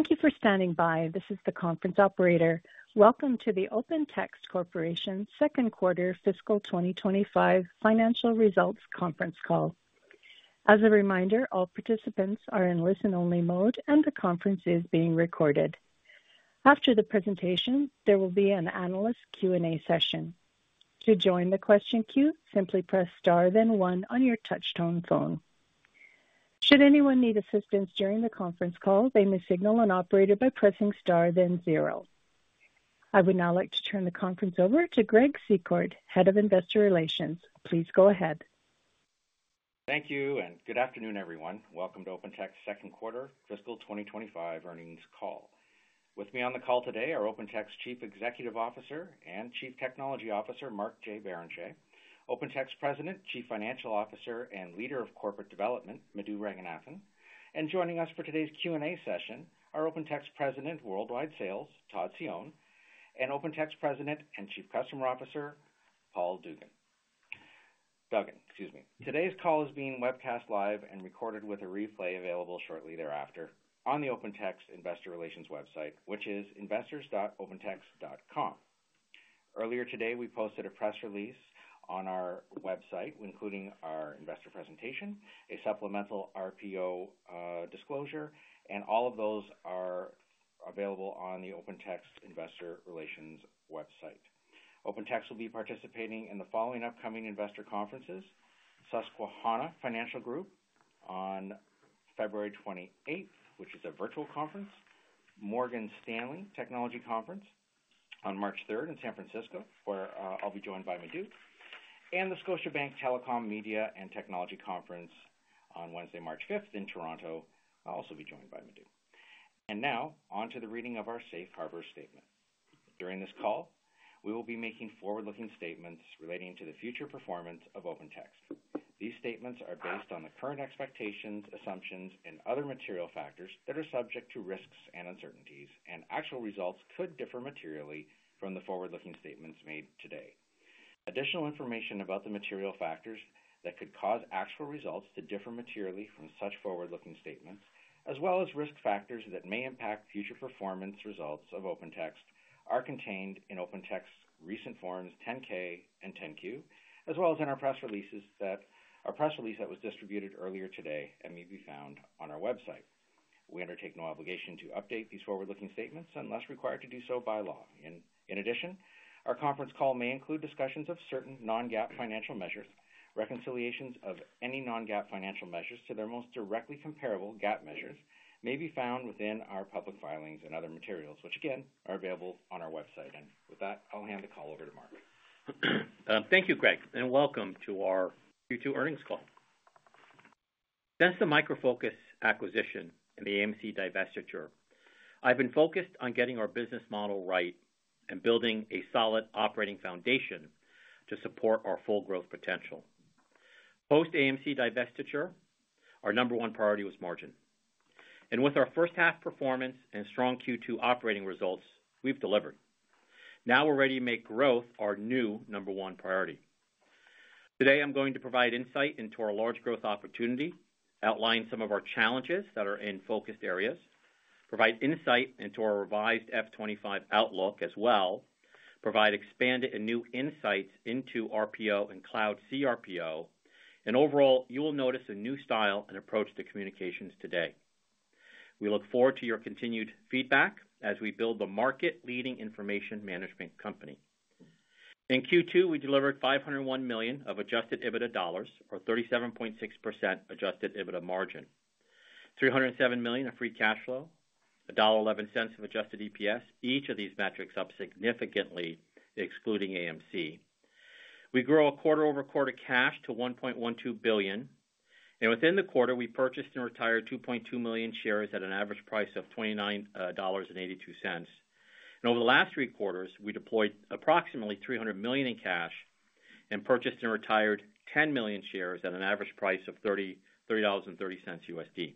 Thank you for standing by. This is the conference operator. Welcome to the OpenText Corporation Second Quarter Fiscal 2025 Financial Results Conference Call. As a reminder, all participants are in listen-only mode, and the conference is being recorded. After the presentation, there will be an analyst Q&A session. To join the question queue, simply press star then one on your touch-tone phone. Should anyone need assistance during the conference call, they may signal an operator by pressing star then zero. I would now like to turn the conference over to Greg Secord, Head of Investor Relations. Please go ahead. Thank you, and good afternoon, everyone. Welcome to OpenText Second Quarter Fiscal 2025 Earnings Call. With me on the call today are OpenText Chief Executive Officer and Chief Technology Officer, Mark J. Barrenechea, OpenText President, Chief Financial Officer, and Leader of Corporate Development, Madhu Ranganathan. And joining us for today's Q&A session, our OpenText President, Worldwide Sales, Todd Cione, and OpenText President and Chief Customer Officer, Paul Duggan. Duggan, excuse me. Today's call is being webcast live and recorded with a replay available shortly thereafter on the OpenText Investor Relations website, which is investors.opentext.com. Earlier today, we posted a press release on our website, including our investor presentation, a supplemental RPO disclosure, and all of those are available on the OpenText Investor Relations website. OpenText will be participating in the following upcoming investor conferences: Susquehanna Financial Group on February 28th, which is a virtual conference. Morgan Stanley Technology Conference on March 3rd in San Francisco, where I'll be joined by Madhu. And the Scotiabank Telecom Media and Technology Conference on Wednesday, March 5th in Toronto. I'll also be joined by Madhu. Now, on to the reading of our Safe Harbor Statement. During this call, we will be making forward-looking statements relating to the future performance of OpenText. These statements are based on the current expectations, assumptions, and other material factors that are subject to risks and uncertainties, and actual results could differ materially from the forward-looking statements made today. Additional information about the material factors that could cause actual results to differ materially from such forward-looking statements, as well as risk factors that may impact future performance results of OpenText, are contained in OpenText's recent Forms 10-K and 10-Q, as well as in our press releases, including the press release that was distributed earlier today, and may be found on our website. We undertake no obligation to update these forward-looking statements unless required to do so by law. In addition, our conference call may include discussions of certain non-GAAP financial measures. Reconciliations of any non-GAAP financial measures to their most directly comparable GAAP measures may be found within our public filings and other materials, which, again, are available on our website. With that, I'll hand the call over to Mark. Thank you, Greg, and welcome to our Q2 earnings call. Since the Micro Focus acquisition and the AMC divestiture, I've been focused on getting our business model right and building a solid operating foundation to support our full growth potential. Post-AMC divestiture, our number one priority was margin, and with our first-half performance and strong Q2 operating results, we've delivered. Now we're ready to make growth our new number one priority. Today, I'm going to provide insight into our large growth opportunity, outline some of our challenges that are in focused areas, provide insight into our revised F2025 outlook as well, provide expanded and new insights into RPO and Cloud cRPO, and overall, you will notice a new style and approach to communications today. We look forward to your continued feedback as we build the market-leading information management company. In Q2, we delivered $501 million of Adjusted EBITDA dollars, or 37.6% Adjusted EBITDA margin, $307 million of free cash flow, $1.11 of adjusted EPS. Each of these metrics up significantly, excluding AMC. We grew a quarter-over-quarter cash to $1.12 billion. Within the quarter, we purchased and retired 2.2 million shares at an average price of $29.82. Over the last three quarters, we deployed approximately $300 million in cash and purchased and retired 10 million shares at an average price of $30.30.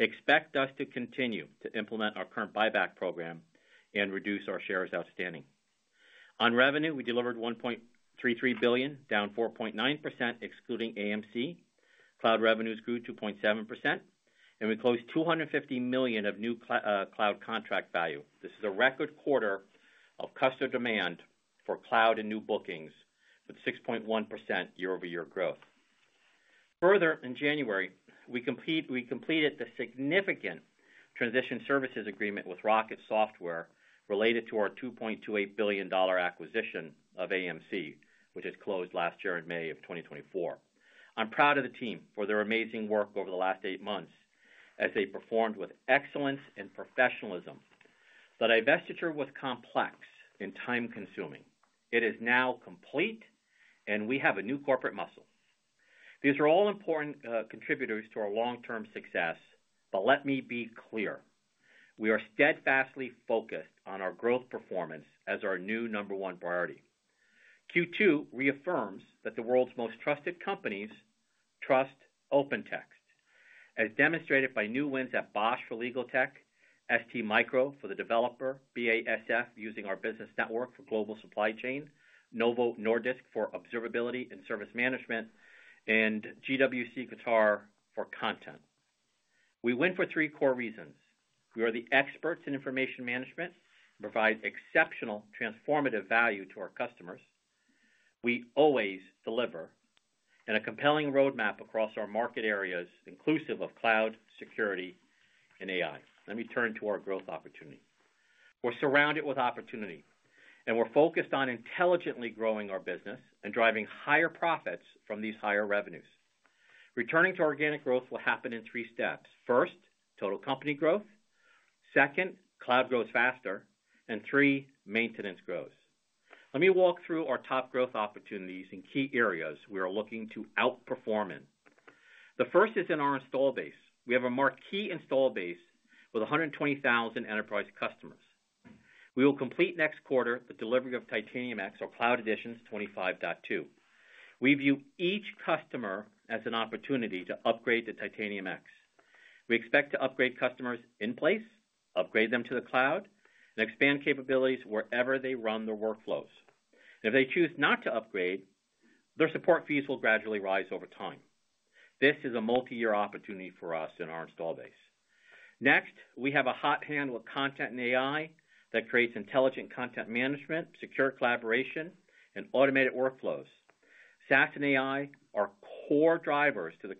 Expect us to continue to implement our current buyback program and reduce our shares outstanding. On revenue, we delivered $1.33 billion, down 4.9%, excluding AMC. Cloud revenues grew 2.7%, and we closed $250 million of new cloud contract value. This is a record quarter of customer demand for cloud and new bookings, with 6.1% year-over-year growth. Further, in January, we completed the significant transition services agreement with Rocket Software related to our $2.28 billion acquisition of AMC, which is closed last year in May of 2024. I'm proud of the team for their amazing work over the last eight months as they performed with excellence and professionalism. The divestiture was complex and time-consuming. It is now complete, and we have a new corporate muscle. These are all important contributors to our long-term success, but let me be clear. We are steadfastly focused on our growth performance as our new number one priority. Q2 reaffirms that the world's most trusted companies trust OpenText, as demonstrated by new wins at Bosch for legal tech, STMicro for the developer, BASF using our Business Network for global supply chain, Novo Nordisk for observability and service management, and GWC Qatar for content. We win for three core reasons. We are the experts in information management and provide exceptional transformative value to our customers. We always deliver in a compelling roadmap across our market areas, inclusive of cloud, security, and AI. Let me turn to our growth opportunity. We're surrounded with opportunity, and we're focused on intelligently growing our business and driving higher profits from these higher revenues. Returning to organic growth will happen in three steps. First, total company growth. Second, cloud grows faster. And three, maintenance growth. Let me walk through our top growth opportunities and key areas we are looking to outperform in. The first is in our installed base. We have a marquee installed base with 120,000 enterprise customers. We will complete next quarter the delivery of Titanium X, our Cloud Editions 25.2. We view each customer as an opportunity to upgrade to Titanium X. We expect to upgrade customers in place, upgrade them to the cloud, and expand capabilities wherever they run their workflows. If they choose not to upgrade, their support fees will gradually rise over time. This is a multi-year opportunity for us in our install base. Next, we have a hot handle with content and AI that creates intelligent content management, secure collaboration, and automated workflows. SaaS and AI are core drivers to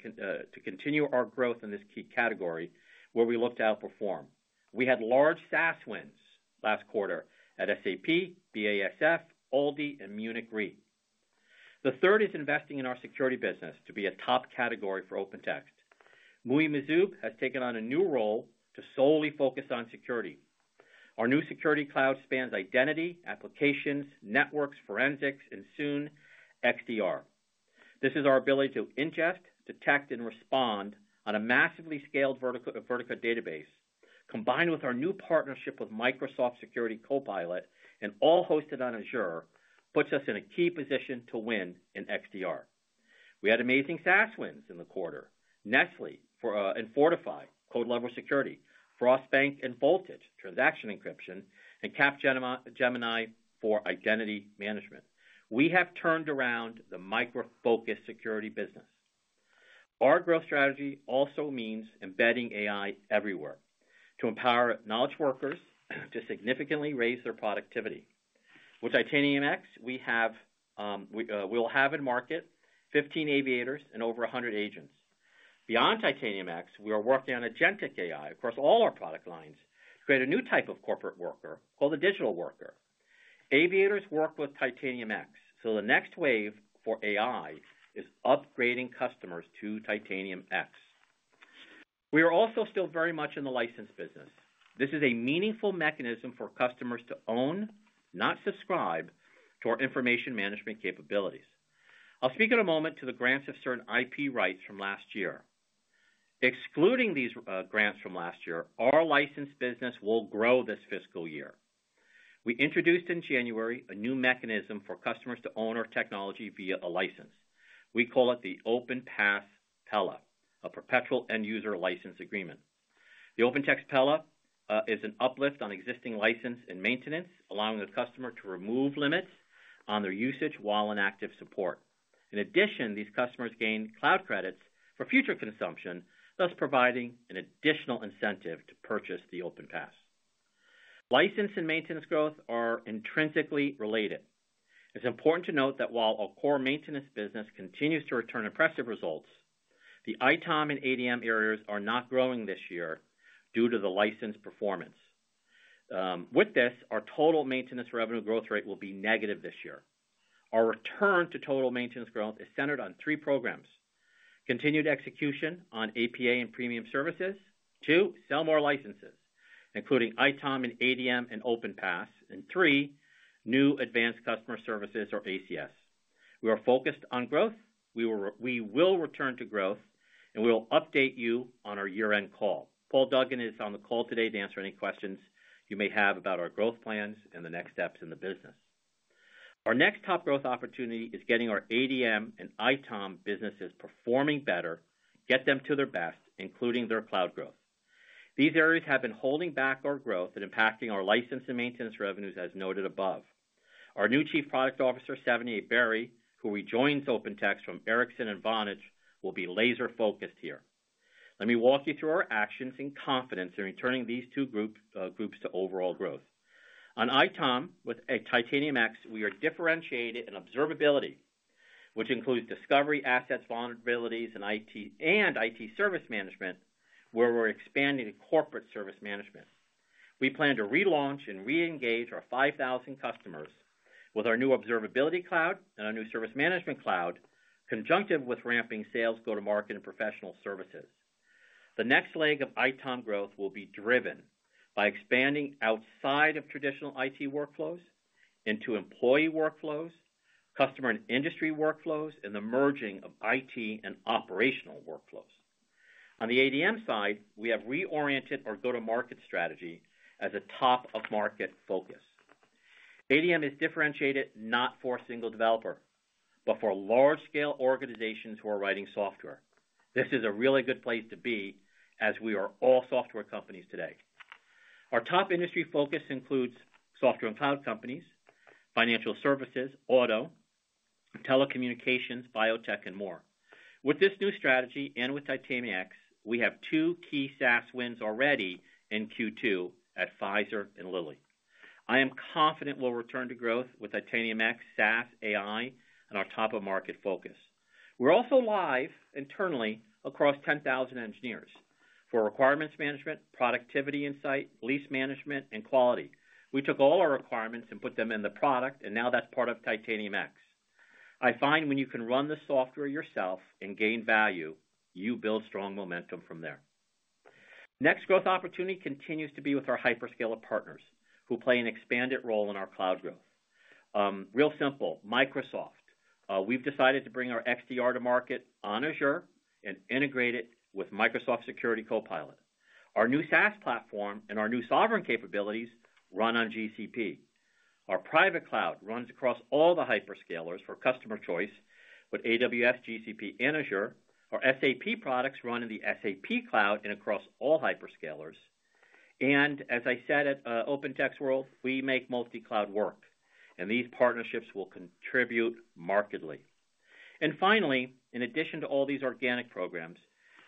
continue our growth in this key category where we look to outperform. We had large SaaS wins last quarter at SAP, BASF, ALDI, and Munich Re. The third is investing in our security business to be a top category for OpenText. Muhi Majzoub has taken on a new role to solely focus on security. Our new Security Cloud spans identity, applications, networks, forensics, and soon XDR. This is our ability to ingest, detect, and respond on a massively scaled vertical database. Combined with our new partnership with Microsoft Security Copilot and all hosted on Azure, puts us in a key position to win in XDR. We had amazing SaaS wins in the quarter: Nestlé and Fortify, code-level security. Frost Bank and Voltage transaction encryption. And Capgemini for identity management. We have turned around the Micro Focus security business. Our growth strategy also means embedding AI everywhere to empower knowledge workers to significantly raise their productivity. With Titanium X, we will have in market 15 Aviators and over 100 agents. Beyond Titanium X, we are working on agentic AI across all our product lines to create a new type of corporate worker called the digital worker. Aviators work with Titanium X, so the next wave for AI is upgrading customers to Titanium X. We are also still very much in the license business. This is a meaningful mechanism for customers to own, not subscribe, to our information management capabilities. I'll speak in a moment to the grants of certain IP rights from last year. Excluding these grants from last year, our license business will grow this fiscal year. We introduced in January a new mechanism for customers to own our technology via a license. We call it the OpenText OpenPass PEULA, a perpetual end-user license agreement. The OpenText OpenPass PEULA is an uplift on existing license and maintenance, allowing the customer to remove limits on their usage while in active support. In addition, these customers gain cloud credits for future consumption, thus providing an additional incentive to purchase the OpenText OpenPass. License and maintenance growth are intrinsically related. It's important to note that while our core maintenance business continues to return impressive results, the ITOM and ADM areas are not growing this year due to the license performance. With this, our total maintenance revenue growth rate will be negative this year. Our return to total maintenance growth is centered on three programs: continued execution on APA and premium services; two, sell more licenses, including ITOM and ADM and OpenPass; and three, new Advanced Customer Services or ACS. We are focused on growth. We will return to growth, and we'll update you on our year-end call. Paul Duggan is on the call today to answer any questions you may have about our growth plans and the next steps in the business. Our next top growth opportunity is getting our ADM and ITOM businesses performing better, getting them to their best, including their cloud growth. These areas have been holding back our growth and impacting our license and maintenance revenues, as noted above. Our new Chief Product Officer, Savinay Berry, who rejoins OpenText from Ericsson and Vonage, will be laser-focused here. Let me walk you through our actions and confidence in returning these two groups to overall growth. On ITOM with Titanium X, we are differentiated in observability, which includes discovery, assets, vulnerabilities, and IT service management, where we're expanding to corporate service management. We plan to relaunch and re-engage our 5,000 customers with our new Observability Cloud and our new Service Management Cloud, conjunctive with ramping sales, go-to-market, and professional services. The next leg of ITOM growth will be driven by expanding outside of traditional IT workflows into employee workflows, customer and industry workflows, and the merging of IT and operational workflows. On the ADM side, we have reoriented our go-to-market strategy as a top-of-market focus. ADM is differentiated not for a single developer, but for large-scale organizations who are writing software. This is a really good place to be as we are all software companies today. Our top industry focus includes software and cloud companies, financial services, auto, telecommunications, biotech, and more. With this new strategy and with Titanium X, we have two key SaaS wins already in Q2 at Pfizer and Lilly. I am confident we'll return to growth with Titanium X, SaaS, AI, and our top-of-market focus. We're also live internally across 10,000 engineers for requirements management, productivity insight, lease management, and quality. We took all our requirements and put them in the product, and now that's part of Titanium X. I find when you can run the software yourself and gain value, you build strong momentum from there. Next growth opportunity continues to be with our hyperscaler partners who play an expanded role in our cloud growth. Real simple, Microsoft. We've decided to bring our XDR to market on Azure and integrate it with Microsoft Security Copilot. Our new SaaS platform and our new sovereign capabilities run on GCP. Our private cloud runs across all the hyperscalers for customer choice with AWS, GCP, and Azure. Our SAP products run in the SAP cloud and across all hyperscalers. And as I said at OpenText World, we make multi-cloud work, and these partnerships will contribute markedly. And finally, in addition to all these organic programs,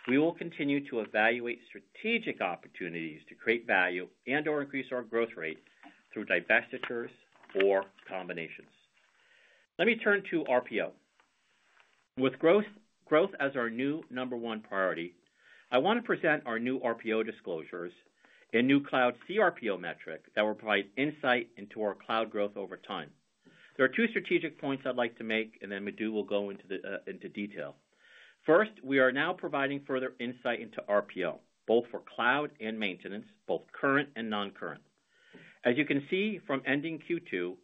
we will continue to evaluate strategic opportunities to create value and/or increase our growth rate through divestitures or combinations. Let me turn to RPO. With growth as our new number one priority, I want to present our new RPO disclosures and new Cloud cRPO metric that will provide insight into our cloud growth over time. There are two strategic points I'd like to make, and then Madhu will go into detail. First, we are now providing further insight into RPO, both for cloud and maintenance, both current and non-current. As you can see from ending Q2,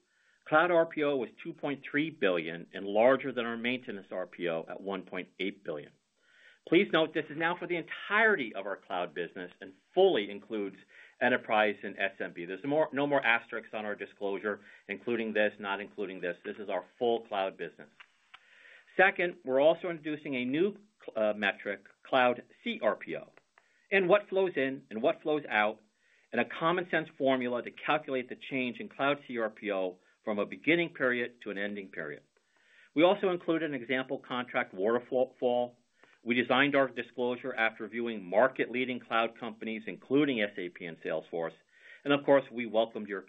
cloud RPO was $2.3 billion and larger than our maintenance RPO at $1.8 billion. Please note this is now for the entirety of our cloud business and fully includes enterprise and SMB. There's no more asterisks on our disclosure, including this, not including this. This is our full cloud business. Second, we're also introducing a new metric, Cloud cRPO, and what flows in and what flows out, and a common-sense formula to calculate the change in Cloud cRPO from a beginning period to an ending period. We also included an example contract waterfall. We designed our disclosure after viewing market-leading cloud companies, including SAP and Salesforce. And of course, we welcome your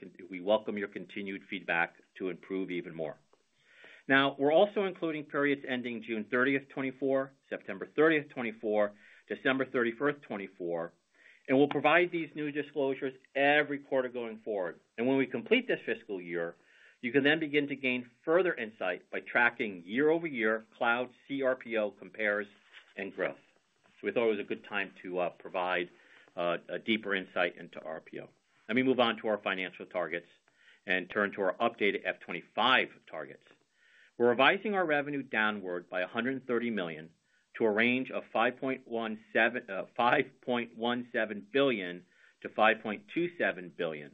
continued feedback to improve even more. Now, we're also including periods ending June 30th, 2024, September 30th, 2024, December 31st, 2024, and we'll provide these new disclosures every quarter going forward. And when we complete this fiscal year, you can then begin to gain further insight by tracking year-over-year Cloud cRPO compares and growth. So we thought it was a good time to provide a deeper insight into RPO. Let me move on to our financial targets and turn to our updated F25 targets. We're revising our revenue downward by $130 million to a range of $5.17 billion-$5.27 billion.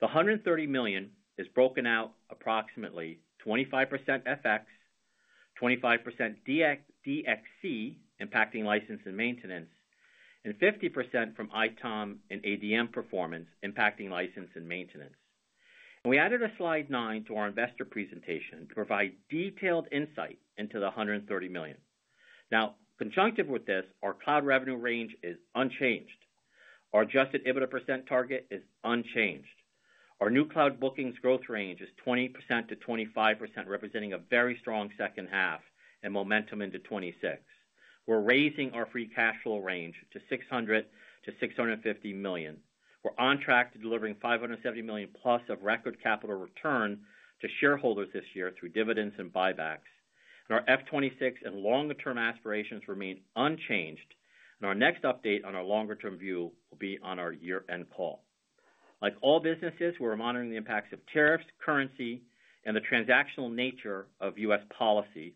The $130 million is broken out approximately 25% FX, 25% DXC impacting license and maintenance, and 50% from ITOM and ADM performance impacting license and maintenance, and we added a slide nine to our investor presentation to provide detailed insight into the $130 million. Now, conjunctive with this, our cloud revenue range is unchanged. Our Adjusted EBITDA % target is unchanged. Our new cloud bookings growth range is 20%-25%, representing a very strong second half and momentum into 2026. We're raising our free cash flow range to $600-$650 million. We're on track to delivering $570 million plus of record capital return to shareholders this year through dividends and buybacks, and our 2026 and longer-term aspirations remain unchanged. Our next update on our longer-term view will be on our year-end call. Like all businesses, we're monitoring the impacts of tariffs, currency, and the transactional nature of U.S. policy.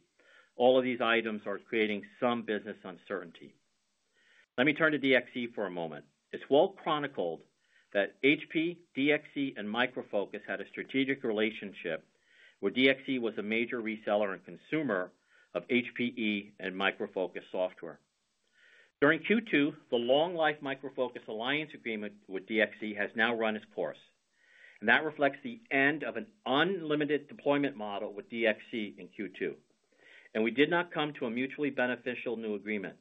All of these items are creating some business uncertainty. Let me turn to DXC for a moment. It's well chronicled that HP, DXC, and Micro Focus had a strategic relationship where DXC was a major reseller and consumer of HPE and Micro Focus software. During Q2, the long-life Micro Focus Alliance Agreement with DXC has now run its course. And that reflects the end of an unlimited deployment model with DXC in Q2. And we did not come to a mutually beneficial new agreement.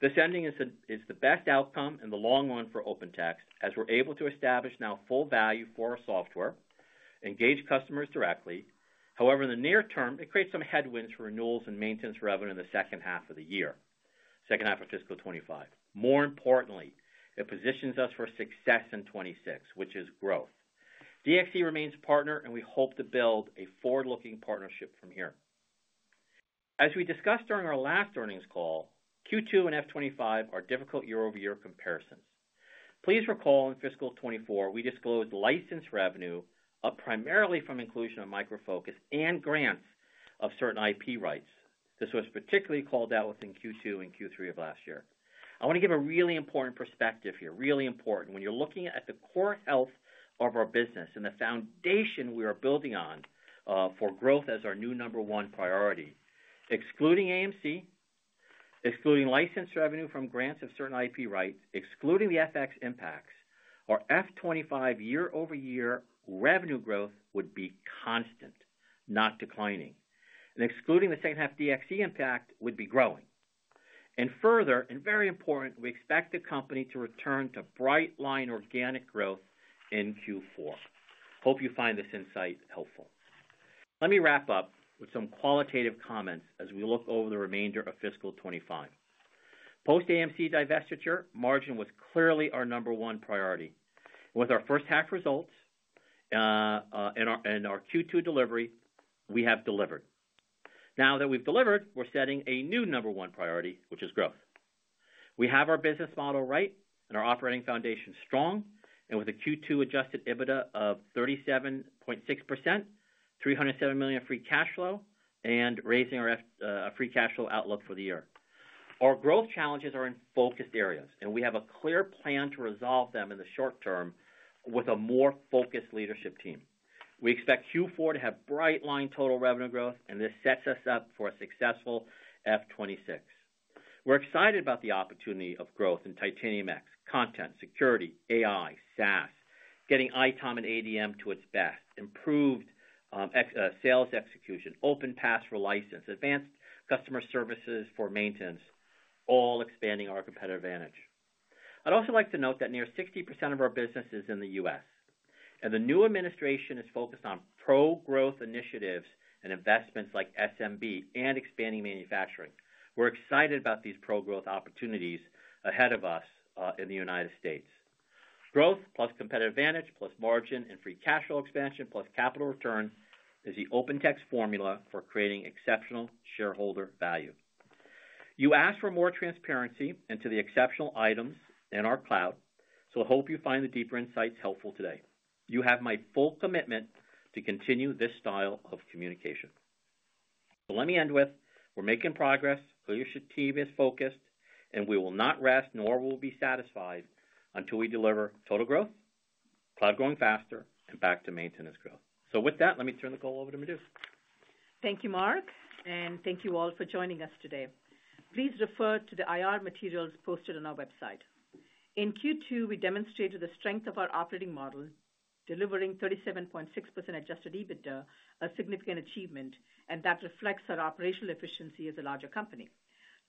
This ending is the best outcome in the long run for OpenText, as we're able to establish now full value for our software, engage customers directly. However, in the near term, it creates some headwinds for renewals and maintenance revenue in the second half of the year, second half of fiscal 2025. More importantly, it positions us for success in 2026, which is growth. DXC remains a partner, and we hope to build a forward-looking partnership from here. As we discussed during our last earnings call, Q2 and F2025 are difficult year-over-year comparisons. Please recall in fiscal 2024, we disclosed license revenue up primarily from inclusion of Micro Focus and grants of certain IP rights. This was particularly called out within Q2 and Q3 of last year. I want to give a really important perspective here, really important. When you're looking at the core health of our business and the foundation we are building on for growth as our new number one priority, excluding AMC, excluding license revenue from grants of certain IP rights, excluding the FX impacts, our F2025 year-over-year revenue growth would be constant, not declining, and excluding the second-half DXC impact would be growing, and further, and very important, we expect the company to return to bright line organic growth in Q4. Hope you find this insight helpful. Let me wrap up with some qualitative comments as we look over the remainder of fiscal 2025. Post-AMC divestiture, margin was clearly our number one priority. With our first-half results and our Q2 delivery, we have delivered. Now that we've delivered, we're setting a new number one priority, which is growth. We have our business model right and our operating foundation strong, and with a Q2 Adjusted EBITDA of 37.6%, $307 million free cash flow, and raising our free cash flow outlook for the year. Our growth challenges are in focused areas, and we have a clear plan to resolve them in the short term with a more focused leadership team. We expect Q4 to have bright line total revenue growth, and this sets us up for a successful F2026. We're excited about the opportunity of growth in Titanium X, content, security, AI, SaaS, getting ITOM and ADM to its best, improved sales execution, OpenPass for license, advanced customer services for maintenance, all expanding our competitive advantage. I'd also like to note that near 60% of our business is in the U.S. and the new administration is focused on pro-growth initiatives and investments like SMB and expanding manufacturing. We're excited about these pro-growth opportunities ahead of us in the United States. Growth plus competitive advantage plus margin and free cash flow expansion plus capital return is the OpenText formula for creating exceptional shareholder value. You asked for more transparency into the exceptional items in our cloud, so I hope you find the deeper insights helpful today. You have my full commitment to continue this style of communication. So let me end with, we're making progress, leadership team is focused, and we will not rest nor will we be satisfied until we deliver total growth, cloud going faster, and back to maintenance growth. So with that, let me turn the call over to Madhu. Thank you, Mark, and thank you all for joining us today. Please refer to the IR materials posted on our website. In Q2, we demonstrated the strength of our operating model, delivering 37.6% Adjusted EBITDA, a significant achievement, and that reflects our operational efficiency as a larger company.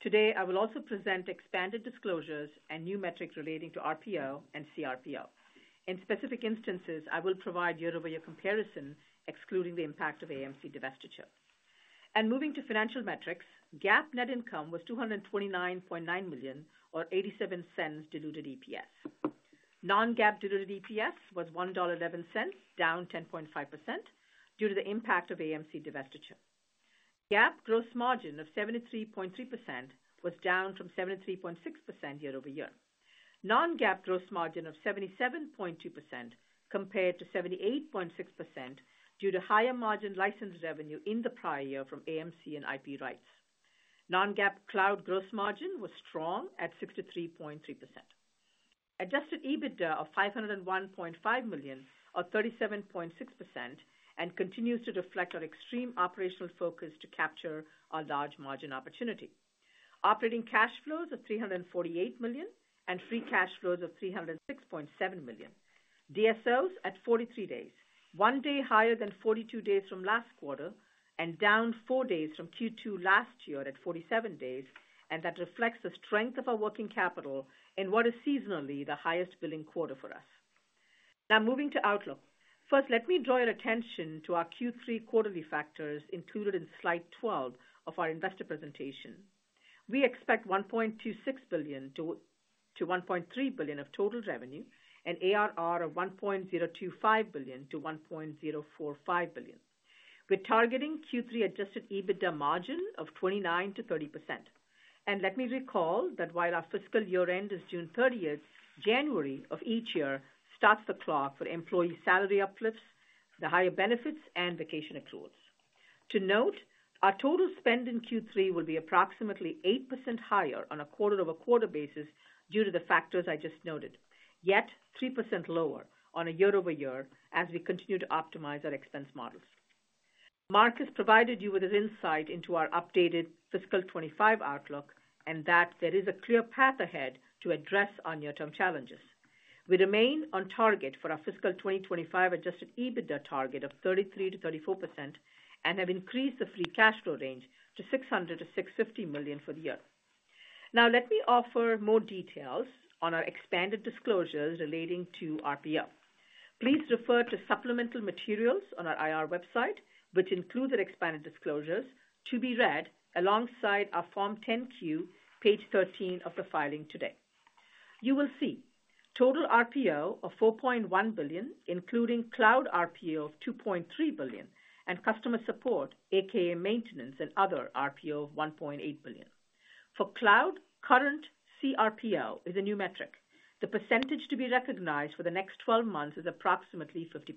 Today, I will also present expanded disclosures and new metrics relating to RPO and CRPO. In specific instances, I will provide year-over-year comparison, excluding the impact of AMC divestiture. And moving to financial metrics, GAAP net income was $229.9 million or $0.87 diluted EPS. Non-GAAP diluted EPS was $1.11, down 10.5% due to the impact of AMC divestiture. GAAP gross margin of 73.3% was down from 73.6% year-over-year. Non-GAAP gross margin of 77.2% compared to 78.6% due to higher margin license revenue in the prior year from AMC and IP rights. Non-GAAP cloud gross margin was strong at 63.3%. Adjusted EBITDA of $501.5 million or 37.6% and continues to reflect our extreme operational focus to capture our large margin opportunity. Operating cash flows of $348 million and free cash flows of $306.7 million. DSOs at 43 days, one day higher than 42 days from last quarter and down four days from Q2 last year at 47 days, and that reflects the strength of our working capital in what is seasonally the highest billing quarter for us. Now moving to outlook. First, let me draw your attention to our Q3 quarterly factors included in slide 12 of our investor presentation. We expect $1.26 billion-$1.3 billion of total revenue and ARR of $1.025 billion-$1.045 billion. We're targeting Q3 Adjusted EBITDA margin of 29%-30%, and let me recall that while our fiscal year-end is June 30th, January of each year starts the clock for employee salary uplifts, the higher benefits, and vacation accruals. To note, our total spend in Q3 will be approximately 8% higher on a quarter-over-quarter basis due to the factors I just noted, yet 3% lower on a year-over-year as we continue to optimize our expense models. Mark has provided you with his insight into our updated fiscal 2025 outlook and that there is a clear path ahead to address our near-term challenges. We remain on target for our fiscal 2025 Adjusted EBITDA target of 33%-34% and have increased the free cash flow range to $600-$650 million for the year. Now, let me offer more details on our expanded disclosures relating to RPO. Please refer to supplemental materials on our IR website, which include the expanded disclosures, to be read alongside our Form 10-Q, page 13 of the filing today. You will see total RPO of $4.1 billion, including cloud RPO of $2.3 billion and customer support, a.k.a. maintenance and other RPO of $1.8 billion. For cloud, current CRPO is a new metric. The percentage to be recognized for the next 12 months is approximately 50%.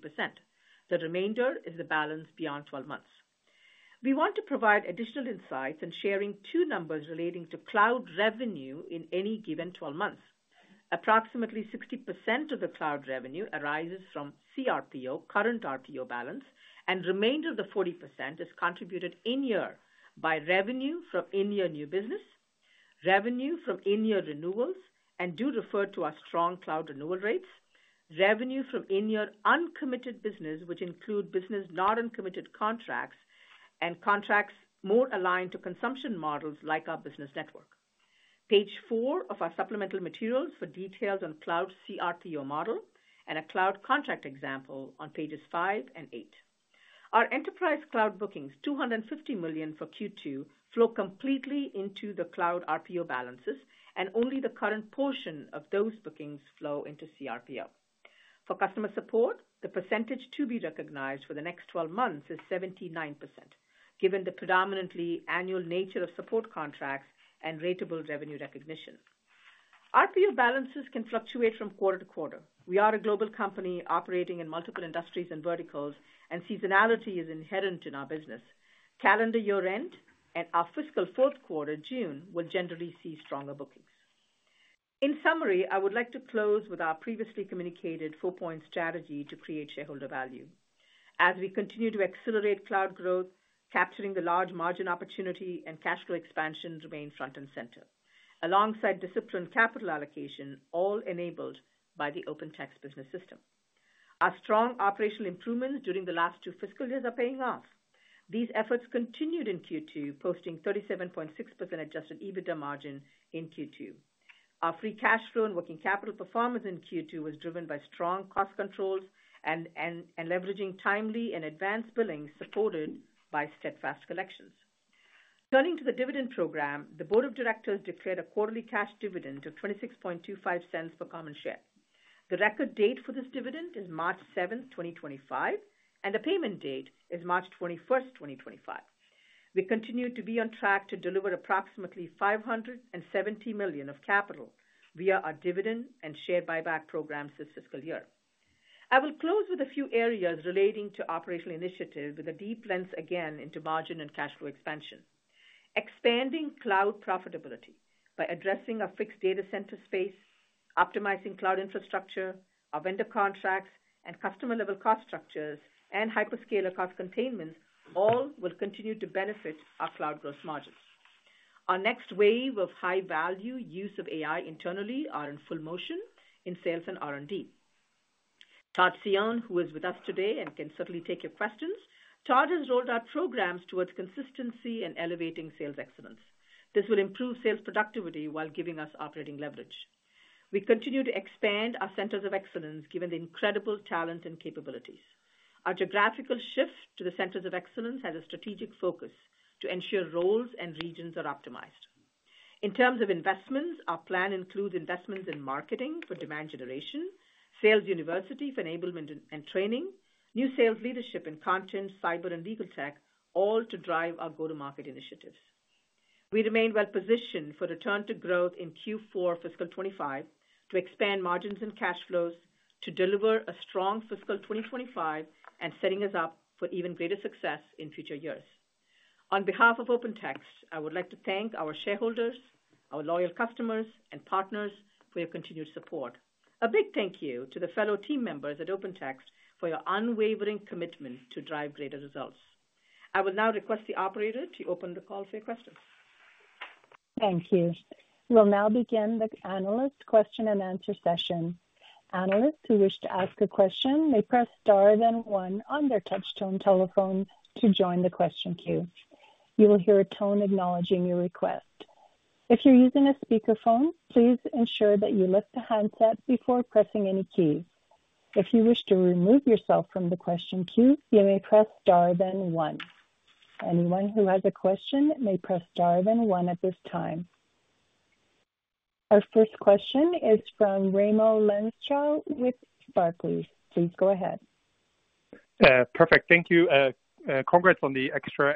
The remainder is the balance beyond 12 months. We want to provide additional insights in sharing two numbers relating to cloud revenue in any given 12 months. Approximately 60% of the cloud revenue arises from cRPO, current RPO balance, and remainder of the 40% is contributed in-year by revenue from in-year new business, revenue from in-year renewals, and do refer to our strong cloud renewal rates, revenue from in-year uncommitted business, which include business non-committed contracts and contracts more aligned to consumption models like our Business Network. Page four of our supplemental materials for details on Cloud cRPO model and a cloud contract example on pages five and eight. Our enterprise cloud bookings, $250 million for Q2, flow completely into the cloud RPO balances, and only the current portion of those bookings flow into cRPO. For customer support, the percentage to be recognized for the next 12 months is 79%, given the predominantly annual nature of support contracts and ratable revenue recognition. RPO balances can fluctuate from quarter to quarter. We are a global company operating in multiple industries and verticals, and seasonality is inherent in our business. Calendar year-end and our fiscal fourth quarter, June, will generally see stronger bookings. In summary, I would like to close with our previously communicated four-point strategy to create shareholder value. As we continue to accelerate cloud growth, capturing the large margin opportunity and cash flow expansion remain front and center, alongside disciplined capital allocation all enabled by the OpenText business system. Our strong operational improvements during the last two fiscal years are paying off. These efforts continued in Q2, posting 37.6% Adjusted EBITDA margin in Q2. Our free cash flow and working capital performance in Q2 was driven by strong cost controls and leveraging timely and advanced billing supported by steadfast collections. Turning to the dividend program, the Board of Directors declared a quarterly cash dividend of $26.25 per common share. The record date for this dividend is March 7th, 2025, and the payment date is March 21st, 2025. We continue to be on track to deliver approximately $570 million of capital via our dividend and share buyback programs this fiscal year. I will close with a few areas relating to operational initiatives with a deep lens again into margin and cash flow expansion. Expanding cloud profitability by addressing our fixed data center space, optimizing cloud infrastructure, our vendor contracts, and customer-level cost structures and hyperscaler cost containment all will continue to benefit our cloud gross margins. Our next wave of high-value use of AI internally is in full motion in sales and R&D. Todd Cione, who is with us today and can certainly take your questions, Todd has rolled out programs towards consistency and elevating sales excellence. This will improve sales productivity while giving us operating leverage. We continue to expand our Centers of Excellence given the incredible talent and capabilities. Our geographical shift to the Centers of Excellence has a strategic focus to ensure roles and regions are optimized. In terms of investments, our plan includes investments in marketing for demand generation, Sales University for enablement and training, new sales leadership in content, cyber, and legal tech, all to drive our go-to-market initiatives. We remain well-positioned for return to growth in Q4 fiscal 2025 to expand margins and cash flows to deliver a strong fiscal 2025 and setting us up for even greater success in future years. On behalf of OpenText, I would like to thank our shareholders, our loyal customers, and partners for your continued support. A big thank you to the fellow team members at OpenText for your unwavering commitment to drive greater results. I will now request the operator to open the call for your questions. Thank you. We'll now begin the analyst question and answer session. Analysts who wish to ask a question may press star then one on their touch-tone telephone to join the question queue. You will hear a tone acknowledging your request. If you're using a speakerphone, please ensure that you lift the handset before pressing any key. If you wish to remove yourself from the question queue, you may press star then one. Anyone who has a question may press star then one at this time. Our first question is from Raimo Lenschow with Barclays. Please go ahead. Perfect. Thank you. Congrats on the extra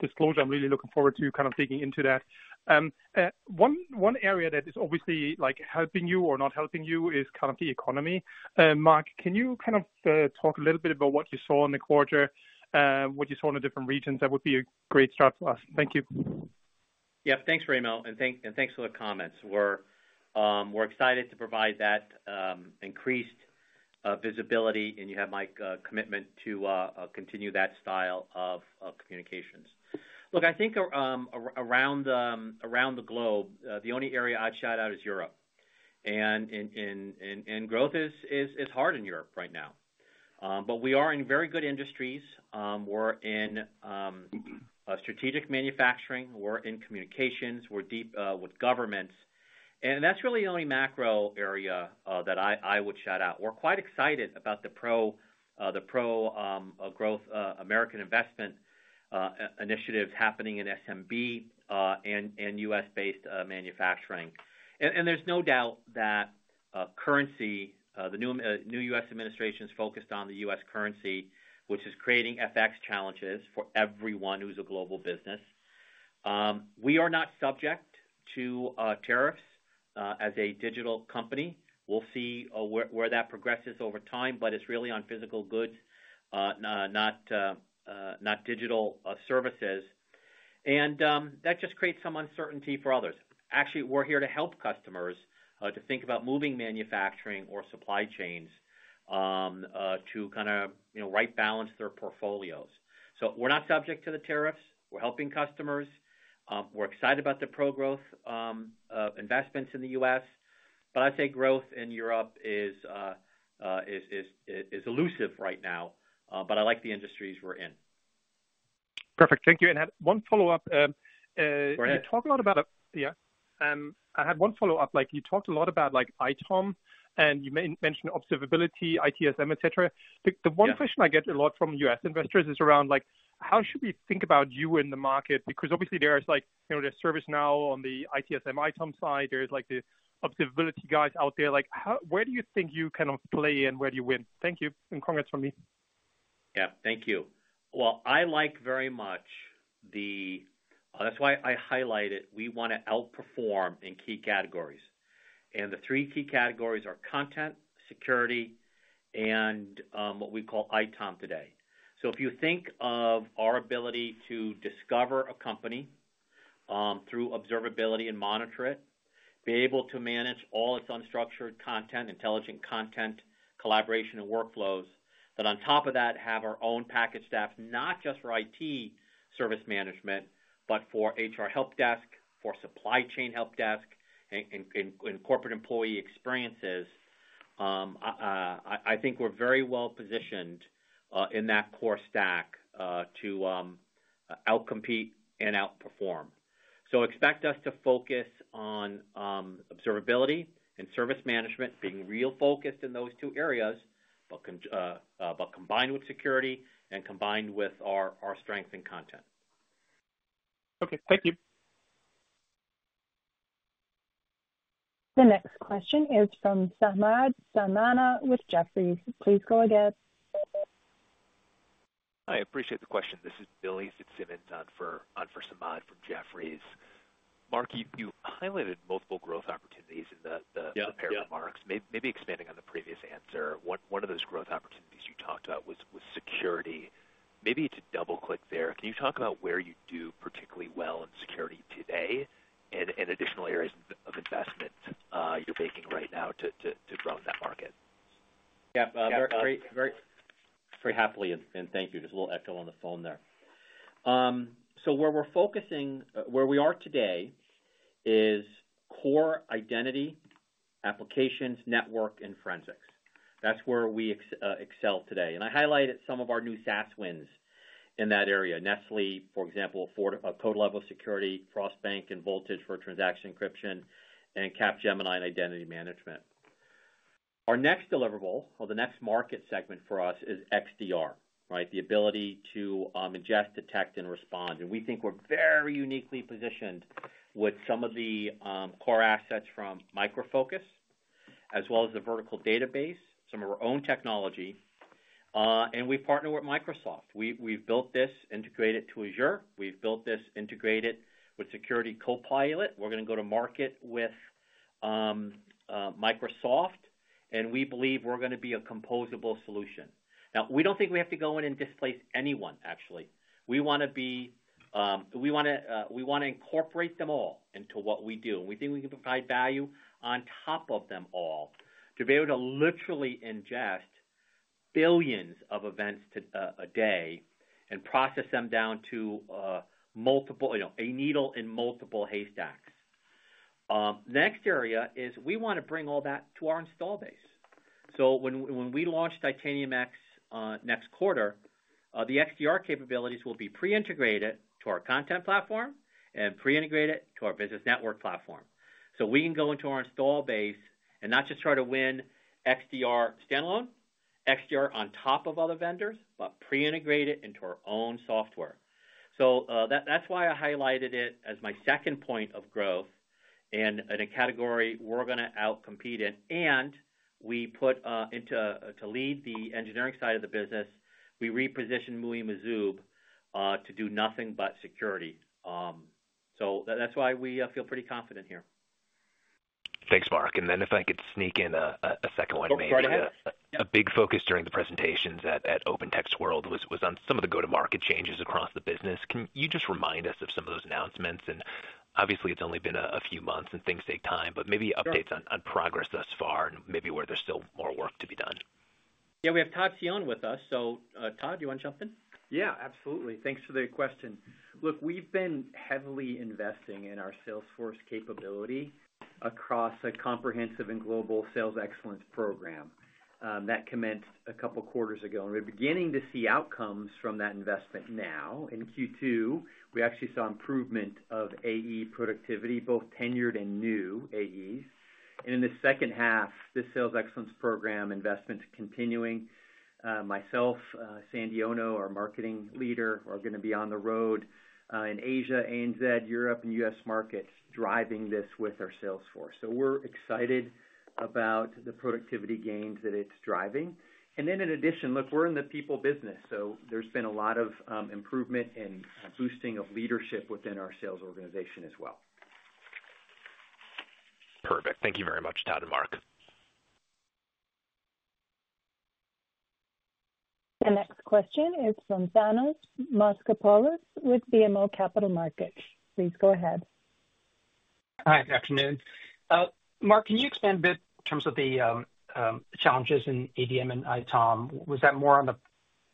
disclosure. I'm really looking forward to kind of digging into that. One area that is obviously helping you or not helping you is kind of the economy. Mark, can you kind of talk a little bit about what you saw in the quarter, what you saw in the different regions? That would be a great start for us. Thank you. Yeah, thanks, Raimo, and thanks for the comments. We're excited to provide that increased visibility, and you have my commitment to continue that style of communications. Look, I think around the globe, the only area I'd shout out is Europe. Growth is hard in Europe right now. But we are in very good industries. We're in strategic manufacturing. We're in communications. We're deep with governments. That's really the only macro area that I would shout out. We're quite excited about the pro-growth American investment initiatives happening in SMB and U.S.-based manufacturing. There's no doubt that currency, the new U.S. administration is focused on the U.S. currency, which is creating FX challenges for everyone who's a global business. We are not subject to tariffs as a digital company. We'll see where that progresses over time, but it's really on physical goods, not digital services. And that just creates some uncertainty for others. Actually, we're here to help customers to think about moving manufacturing or supply chains to kind of rebalance their portfolios. So we're not subject to the tariffs. We're helping customers. We're excited about the pro-growth investments in the U.S. But I'd say growth in Europe is elusive right now, but I like the industries we're in. Perfect. Thank you. And I had one follow-up. Go ahead. You talk a lot about it. Yeah. I had one follow-up. You talked a lot about ITOM, and you mentioned observability, ITSM, etc. The one question I get a lot from U.S. investors is around how should we think about you in the market? Because obviously, there's ServiceNow on the ITSM ITOM side. There's the observability guys out there. Where do you think you kind of play and where do you win? Thank you. And congrats from me. Yeah, thank you. I like very much that's why I highlight it. We want to outperform in key categories. And the three key categories are content, security, and what we call ITOM today. So if you think of our ability to discover a company through observability and monitor it, be able to manage all its unstructured content, intelligent content, collaboration, and workflows, but on top of that, have our own packaged SaaS, not just for IT service management, but for HR help desk, for supply chain help desk, and corporate employee experiences, I think we're very well positioned in that core stack to outcompete and outperform. So expect us to focus on observability and service management, being really focused in those two areas, but combined with security and combined with our strength in content. Okay. Thank you. The next question is from Samad Samana with Jefferies. Please go ahead. Hi. I appreciate the question. This is Billy Fitzsimmons for Samad from Jefferies. Mark, you highlighted multiple growth opportunities in the opening remarks. Maybe expanding on the previous answer, one of those growth opportunities you talked about was security. Maybe to double-click there, can you talk about where you do particularly well in security today and additional areas of investment you're making right now to grow that market? Yeah. Very happily, and thank you. Just a little echo on the phone there. So where we're focusing, where we are today is core identity, applications, network, and forensics. That's where we excel today. I highlighted some of our new SaaS wins in that area. Nestlé, for example, code-level security, Frost Bank and Voltage for transaction encryption, and Capgemini and identity management. Our next deliverable, or the next market segment for us, is XDR, the ability to ingest, detect, and respond. We think we're very uniquely positioned with some of the core assets from Micro Focus, as well as the Vertica database, some of our own technology. We partner with Microsoft. We've built this, integrated it to Azure. We've built this, integrated it with Security Copilot. We're going to go to market with Microsoft, and we believe we're going to be a composable solution. Now, we don't think we have to go in and displace anyone, actually. We want to be, we want to incorporate them all into what we do. And we think we can provide value on top of them all to be able to literally ingest billions of events a day and process them down to a needle in multiple haystacks. The next area is we want to bring all that to our install base. So when we launch Titanium X next quarter, the XDR capabilities will be pre-integrated to our content platform and pre-integrated to our Business Network platform. So we can go into our install base and not just try to win XDR standalone, XDR on top of other vendors, but pre-integrate it into our own software. So that's why I highlighted it as my second point of growth in a category we're going to outcompete in. And we put into to lead the engineering side of the business, we repositioned Muhi Majzoub to do nothing but security. So that's why we feel pretty confident here. Thanks, Mark. And then if I could sneak in a second one, but maybe a big focus during the presentations at OpenText World was on some of the go-to-market changes across the business. Can you just remind us of some of those announcements? And obviously, it's only been a few months, and things take time, but maybe updates on progress thus far and maybe where there's still more work to be done. Yeah, we have Todd Cione with us. So Todd, do you want to jump in? Yeah, absolutely. Thanks for the question. Look, we've been heavily investing in our sales force capability across a comprehensive and global sales excellence program that commenced a couple of quarters ago. And we're beginning to see outcomes from that investment now. In Q2, we actually saw improvement of AE productivity, both tenured and new AE. And in the second half, the sales excellence program investments continuing. Myself, Sandy Ono, our marketing leader, are going to be on the road in Asia, ANZ, Europe, and U.S. markets driving this with our Salesforce. So we're excited about the productivity gains that it's driving. And then in addition, look, we're in the people business. So there's been a lot of improvement and boosting of leadership within our sales organization as well. Perfect. Thank you very much, Todd and Mark. The next question is from Thanos Moschopoulos with BMO Capital Markets. Please go ahead. Hi. Good afternoon. Mark, can you expand a bit in terms of the challenges in ADM and ITOM? Was that more on the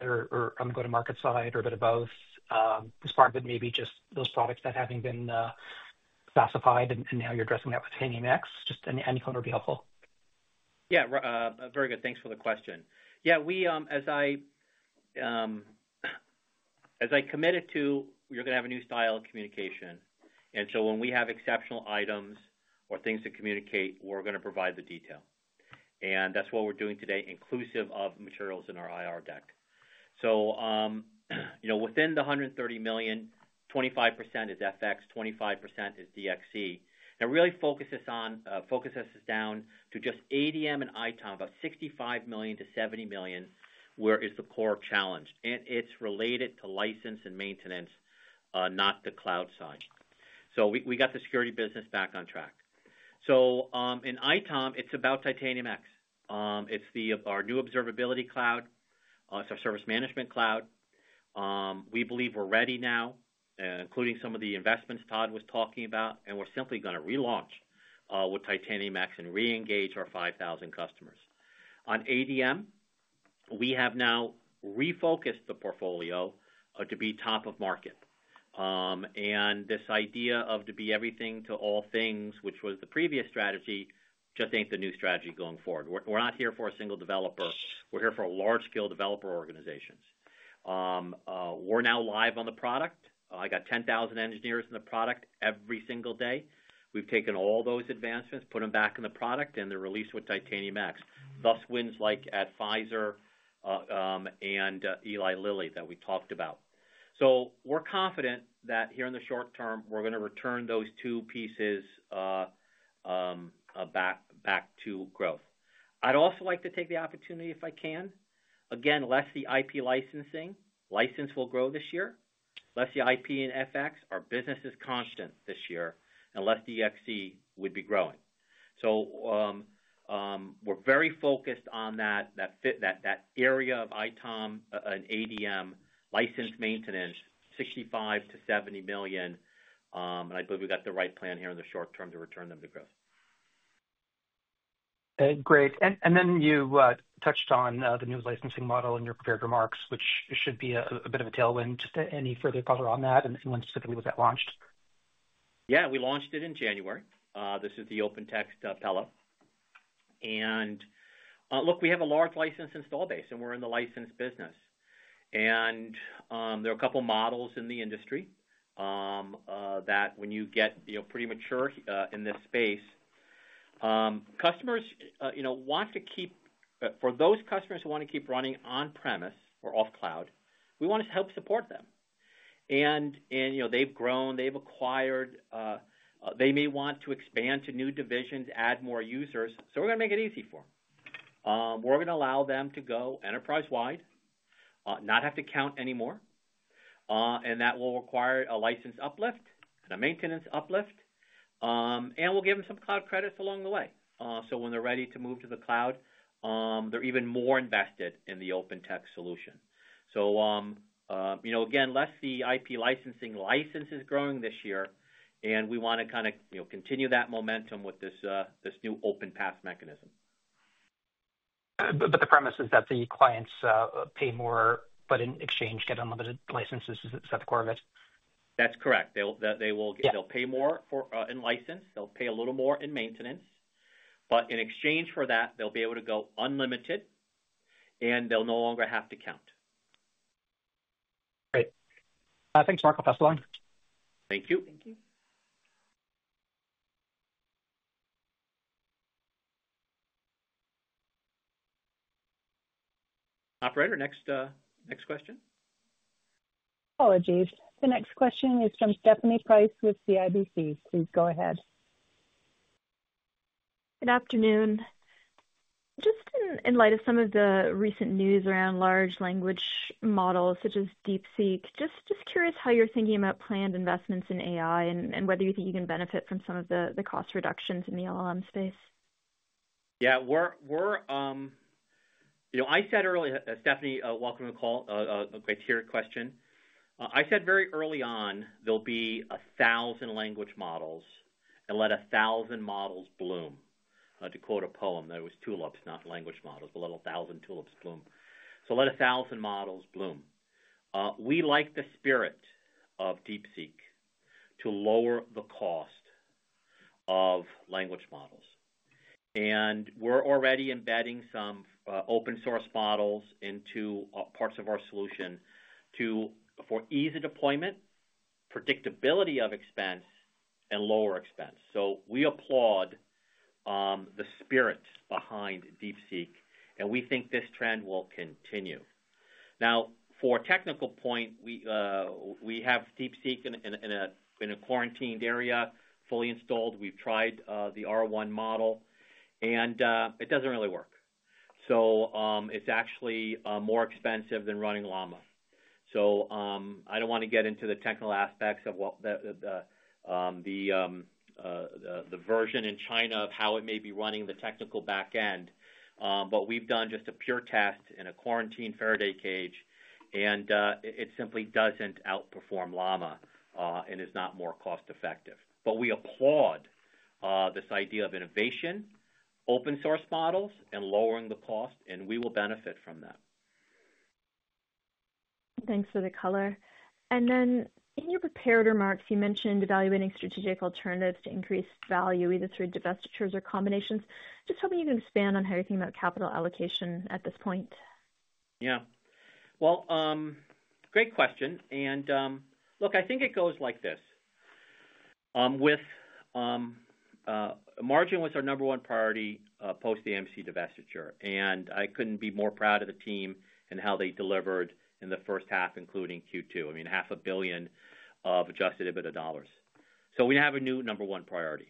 go-to-market side or a bit of both? Was part of it maybe just those products that haven't been classified, and now you're addressing that with Titanium X? Just any comment would be helpful. Yeah. Very good. Thanks for the question. Yeah. As I committed to, you're going to have a new style of communication. And so when we have exceptional items or things to communicate, we're going to provide the detail. And that's what we're doing today, inclusive of materials in our IR deck. So within the $130 million, 25% is FX, 25% is DXC. And really focuses us down to just ADM and ITOM, about $65 million-$70 million, where is the core challenge. And it's related to license and maintenance, not the cloud side. So we got the security business back on track. So in ITOM, it's about Titanium X. It's our new Observability Cloud, it's our Service Management Cloud. We believe we're ready now, including some of the investments Todd was talking about, and we're simply going to relaunch with Titanium X and re-engage our 5,000 customers. On ADM, we have now refocused the portfolio to be top of market, and this idea of to be everything to all things, which was the previous strategy, just ain't the new strategy going forward. We're not here for a single developer. We're here for large-scale developer organizations. We're now live on the product. I got 10,000 engineers in the product every single day. We've taken all those advancements, put them back in the product, and they're released with Titanium X. This wins like at Pfizer and Eli Lilly that we talked about, so we're confident that here in the short term, we're going to return those two pieces back to growth. I'd also like to take the opportunity if I can. Again, less the IP licensing, licensing will grow this year. Less the IP and FX, our business is constant this year, Less DXC would be growing. So we're very focused on that area of ITOM and ADM, license maintenance, $65 million-$70 million. And I believe we got the right plan here in the short term to return them to growth. Great. And then you touched on the new licensing model in your prepared remarks, which should be a bit of a tailwind. Any further color on that and when specifically was that launched? Yeah. We launched it in January. This is the OpenText PEULA. And look, we have a large license install base, and we're in the license business. And there are a couple of models in the industry that when you get pretty mature in this space, customers want to keep for those customers who want to keep running on-premise or off-cloud, we want to help support them. They've grown, they've acquired, they may want to expand to new divisions, add more users. We're going to make it easy for them. We're going to allow them to go enterprise-wide, not have to count anymore. That will require a license uplift and a maintenance uplift. We'll give them some cloud credits along the way. When they're ready to move to the cloud, they're even more invested in the OpenText solution. Yes, the IP licensing license is growing this year, and we want to kind of continue that momentum with this new OpenPass mechanism. The premise is that the clients pay more, but in exchange, get unlimited licenses, is that the core of it? That's correct. They'll pay more in license. They'll pay a little more in maintenance. But in exchange for that, they'll be able to go unlimited, and they'll no longer have to count. Great. Thanks, Mark. I'll pass the line. Thank you. Operator, next question. Apologies. The next question is from Stephanie Price with CIBC. Please go ahead. Good afternoon. Just in light of some of the recent news around large language models such as DeepSeek, just curious how you're thinking about planned investments in AI and whether you think you can benefit from some of the cost reductions in the LLM space. Yeah. I said early, Stephanie, welcome to the call, a criteria question. I said very early on, there'll be 1,000 language models and let 1,000 models bloom, to quote a poem. It was tulips, not language models, but let 1,000 tulips bloom. So let 1,000 models bloom. We like the spirit of DeepSeek to lower the cost of language models. And we're already embedding some open-source models into parts of our solution for easy deployment, predictability of expense, and lower expense. So we applaud the spirit behind DeepSeek, and we think this trend will continue. Now, for a technical point, we have DeepSeek in a quarantined area, fully installed. We've tried the R1 model, and it doesn't really work. So it's actually more expensive than running Llama. So I don't want to get into the technical aspects of the version in China of how it may be running the technical backend, but we've done just a pure test in a quarantine Faraday cage, and it simply doesn't outperform Llama and is not more cost-effective. But we applaud this idea of innovation, open-source models, and lowering the cost, and we will benefit from that. Thanks for the color. And then in your prepared remarks, you mentioned evaluating strategic alternatives to increase value, either through divestitures or combinations. Just tell me you can expand on how you're thinking about capital allocation at this point. Yeah. Well, great question. And look, I think it goes like this. Margin was our number one priority post-AMC divestiture. And I couldn't be more proud of the team and how they delivered in the first half, including Q2. I mean, $500 million of Adjusted EBITDA. So we have a new number one priority.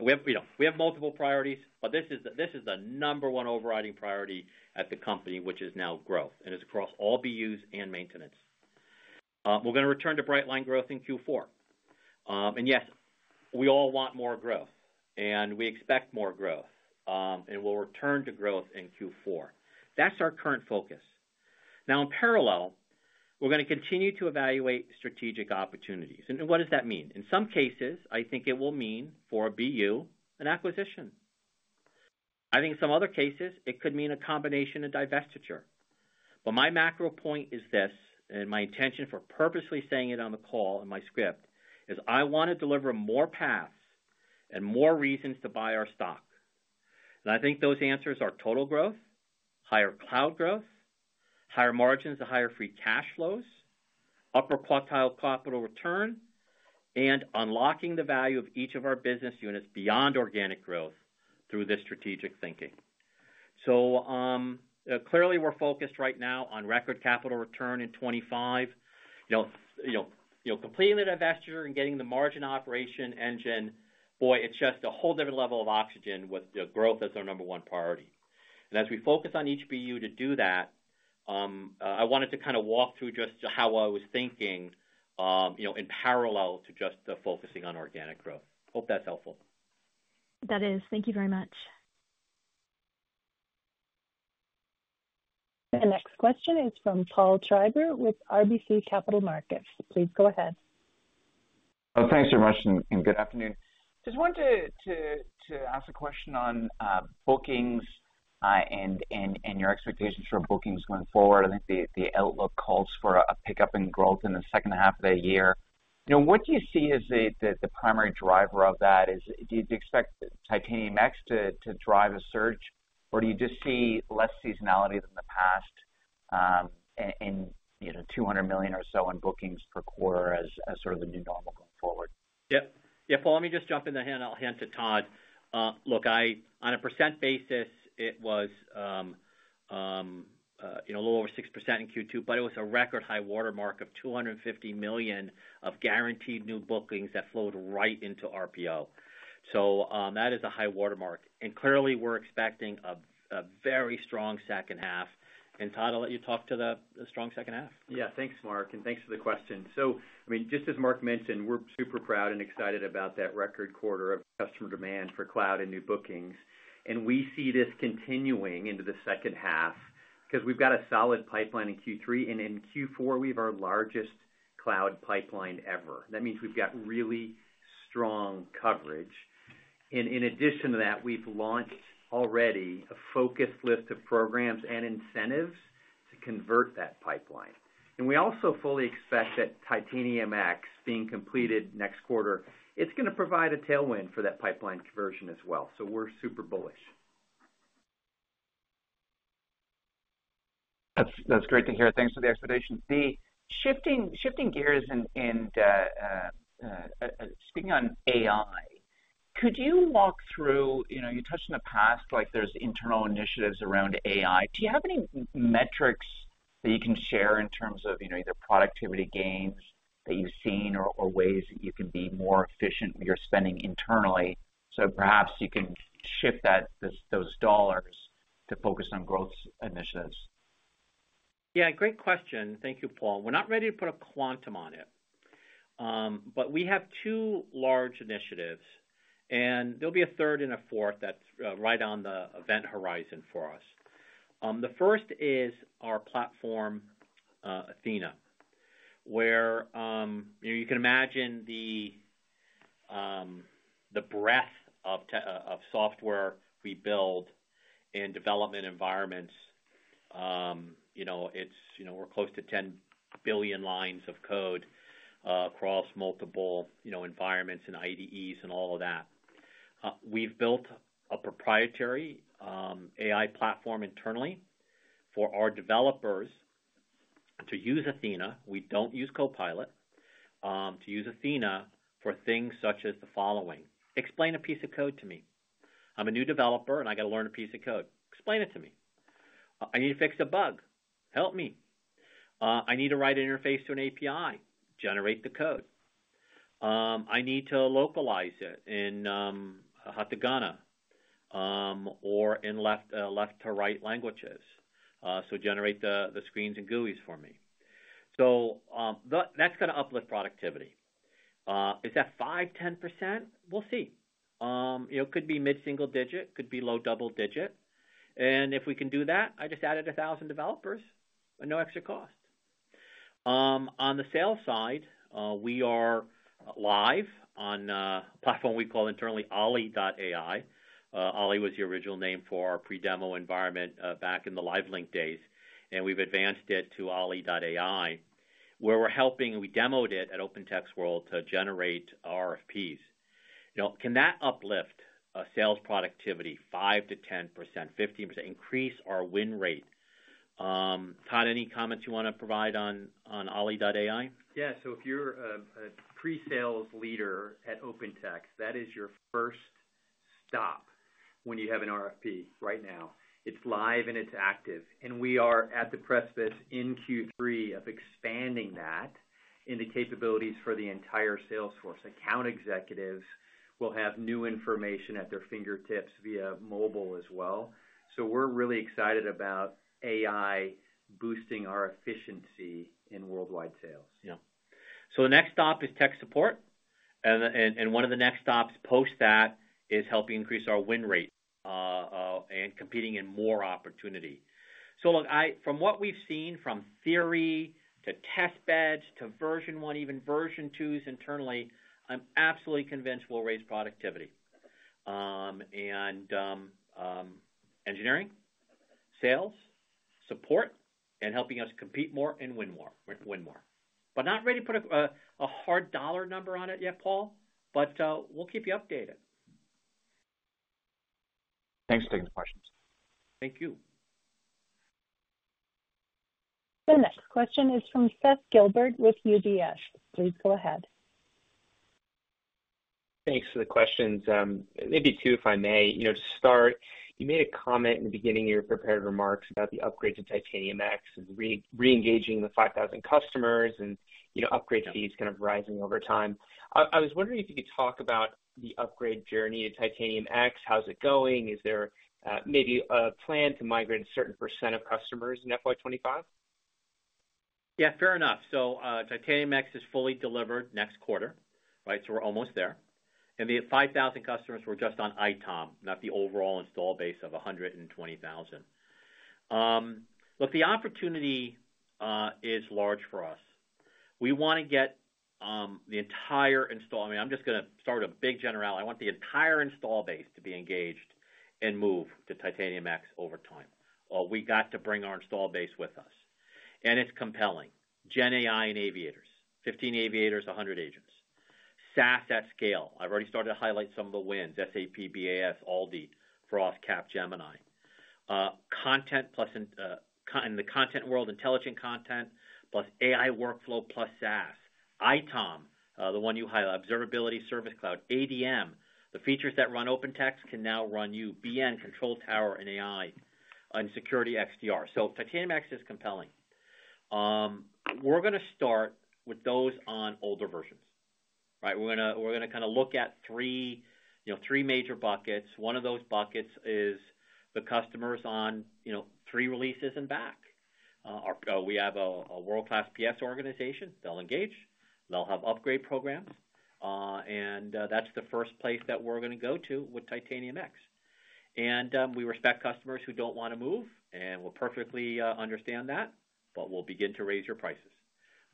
We have multiple priorities, but this is the number one overriding priority at the company, which is now growth. And it's across all BUs and maintenance. We're going to return to bright line growth in Q4. And yes, we all want more growth, and we expect more growth, and we'll return to growth in Q4. That's our current focus. Now, in parallel, we're going to continue to evaluate strategic opportunities. And what does that mean? In some cases, I think it will mean for a BU an acquisition. I think in some other cases, it could mean a combination of divestiture. But my macro point is this, and my intention for purposely saying it on the call in my script is I want to deliver more paths and more reasons to buy our stock. And I think those answers are total growth, higher cloud growth, higher margins to higher free cash flows, upper quartile capital return, and unlocking the value of each of our business units beyond organic growth through this strategic thinking. So clearly, we're focused right now on record capital return in 2025. Completing the divestiture and getting the margin operation engine, boy, it's just a whole different level of oxygen with the growth as our number one priority. And as we focus on each BU to do that, I wanted to kind of walk through just how I was thinking in parallel to just focusing on organic growth. Hope that's helpful. That is. Thank you very much. The next question is from Paul Treiber with RBC Capital Markets. Please go ahead. Thanks very much, and good afternoon. Just wanted to ask a question on bookings and your expectations for bookings going forward. I think the outlook calls for a pickup in growth in the second half of the year. What do you see as the primary driver of that? Do you expect Titanium X to drive a surge, or do you just see less seasonality than the past and $200 million or so in bookings per quarter as sort of the new normal going forward? Yeah. Yeah. Well, let me just jump in and hand it to Todd. Look, on a percent basis, it was a little over 6% in Q2, but it was a record high watermark of $250 million of guaranteed new bookings that flowed right into RPO. That is a high watermark. Clearly, we're expecting a very strong second half. Todd, I'll let you talk to the strong second half. Yeah. Thanks, Mark. Thanks for the question. I mean, just as Mark mentioned, we're super proud and excited about that record quarter of customer demand for cloud and new bookings. We see this continuing into the second half because we've got a solid pipeline in Q3. And in Q4, we have our largest cloud pipeline ever. That means we've got really strong coverage. And in addition to that, we've launched already a focused list of programs and incentives to convert that pipeline. And we also fully expect that Titanium X being completed next quarter, it's going to provide a tailwind for that pipeline conversion as well. So we're super bullish. That's great to hear. Thanks for the explanation. Then shifting gears and speaking on AI, could you walk through? You touched in the past; there's internal initiatives around AI. Do you have any metrics that you can share in terms of either productivity gains that you've seen or ways that you can be more efficient with your spending internally? So, perhaps you can shift those dollars to focus on growth initiatives. Yeah. Great question. Thank you, Paul. We're not ready to put a quantum on it, but we have two large initiatives, and there'll be a third and a fourth that's right on the event horizon for us. The first is our platform, Athena, where you can imagine the breadth of software we build in development environments. We're close to 10 billion lines of code across multiple environments and IDEs and all of that. We've built a proprietary AI platform internally for our developers to use Athena. We don't use Copilot to use Athena for things such as the following. Explain a piece of code to me. I'm a new developer, and I got to learn a piece of code. Explain it to me. I need to fix a bug. Help me. I need to write an interface to an API. Generate the code. I need to localize it in Hiragana or in left-to-right languages. So generate the screens and GUIs for me. So that's going to uplift productivity. Is that 5%-10%? We'll see. It could be mid-single digit. It could be low double digit. And if we can do that, I just added 1,000 developers at no extra cost. On the sales side, we are live on a platform we call internally Ollie.ai. Ollie was the original name for our pre-demo environment back in the Livelink days. And we've advanced it to Ollie.ai, where we're helping. We demoed it at OpenText World to generate RFPs. Can that uplift sales productivity 5-10%, 15%, increase our win rate? Todd, any comments you want to provide on Ollie.ai? Yeah. So if you're a pre-sales leader at OpenText, that is your first stop when you have an RFP right now. It's live and it's active. And we are at the precipice in Q3 of expanding that in the capabilities for the entire salesforce. Account executives will have new information at their fingertips via mobile as well. So we're really excited about AI boosting our efficiency in worldwide sales. Yeah. So the next stop is tech support. And one of the next stops post that is helping increase our win rate and competing in more opportunity. So look, from what we've seen from theory to test beds to version one, even version twos internally, I'm absolutely convinced we'll raise productivity and engineering, sales, support, and helping us compete more and win more. But not ready to put a hard dollar number on it yet, Paul, but we'll keep you updated. Thanks for taking the questions. Thank you. The next question is from Seth Gilbert with UBS. Please go ahead. Thanks for the questions. Maybe two, if I may. To start, you made a comment in the beginning of your prepared remarks about the upgrade to Titanium X and re-engaging the 5,000 customers and upgrade fees kind of rising over time. I was wondering if you could talk about the upgrade journey to Titanium X. How's it going? Is there maybe a plan to migrate a certain percent of customers in FY25? Yeah, fair enough. So Titanium X is fully delivered next quarter, right? So we're almost there. And the 5,000 customers were just on ITOM, not the overall install base of 120,000. Look, the opportunity is large for us. We want to get the entire install. I mean, I'm just going to start a big general. I want the entire install base to be engaged and move to Titanium X over time. We got to bring our install base with us. It's compelling. GenAI and Aviators. 15 Aviators, 100 agents. SaaS at scale. I've already started to highlight some of the wins: SAP, BASF, ALDI, Frost, Capgemini. Content plus in the content world, intelligent content plus AI workflow plus SaaS. ITOM, the one you highlight, Observability, Service Cloud, ADM, the features that run OpenText can now run on BN, Control Tower and AI, and Security XDR. Titanium X is compelling. We're going to start with those on older versions, right? We're going to kind of look at three major buckets. One of those buckets is the customers on three releases and back. We have a world-class PS organization. They'll engage. They'll have upgrade programs. That's the first place that we're going to go to with Titanium X. We respect customers who don't want to move, and we'll perfectly understand that, but we'll begin to raise your prices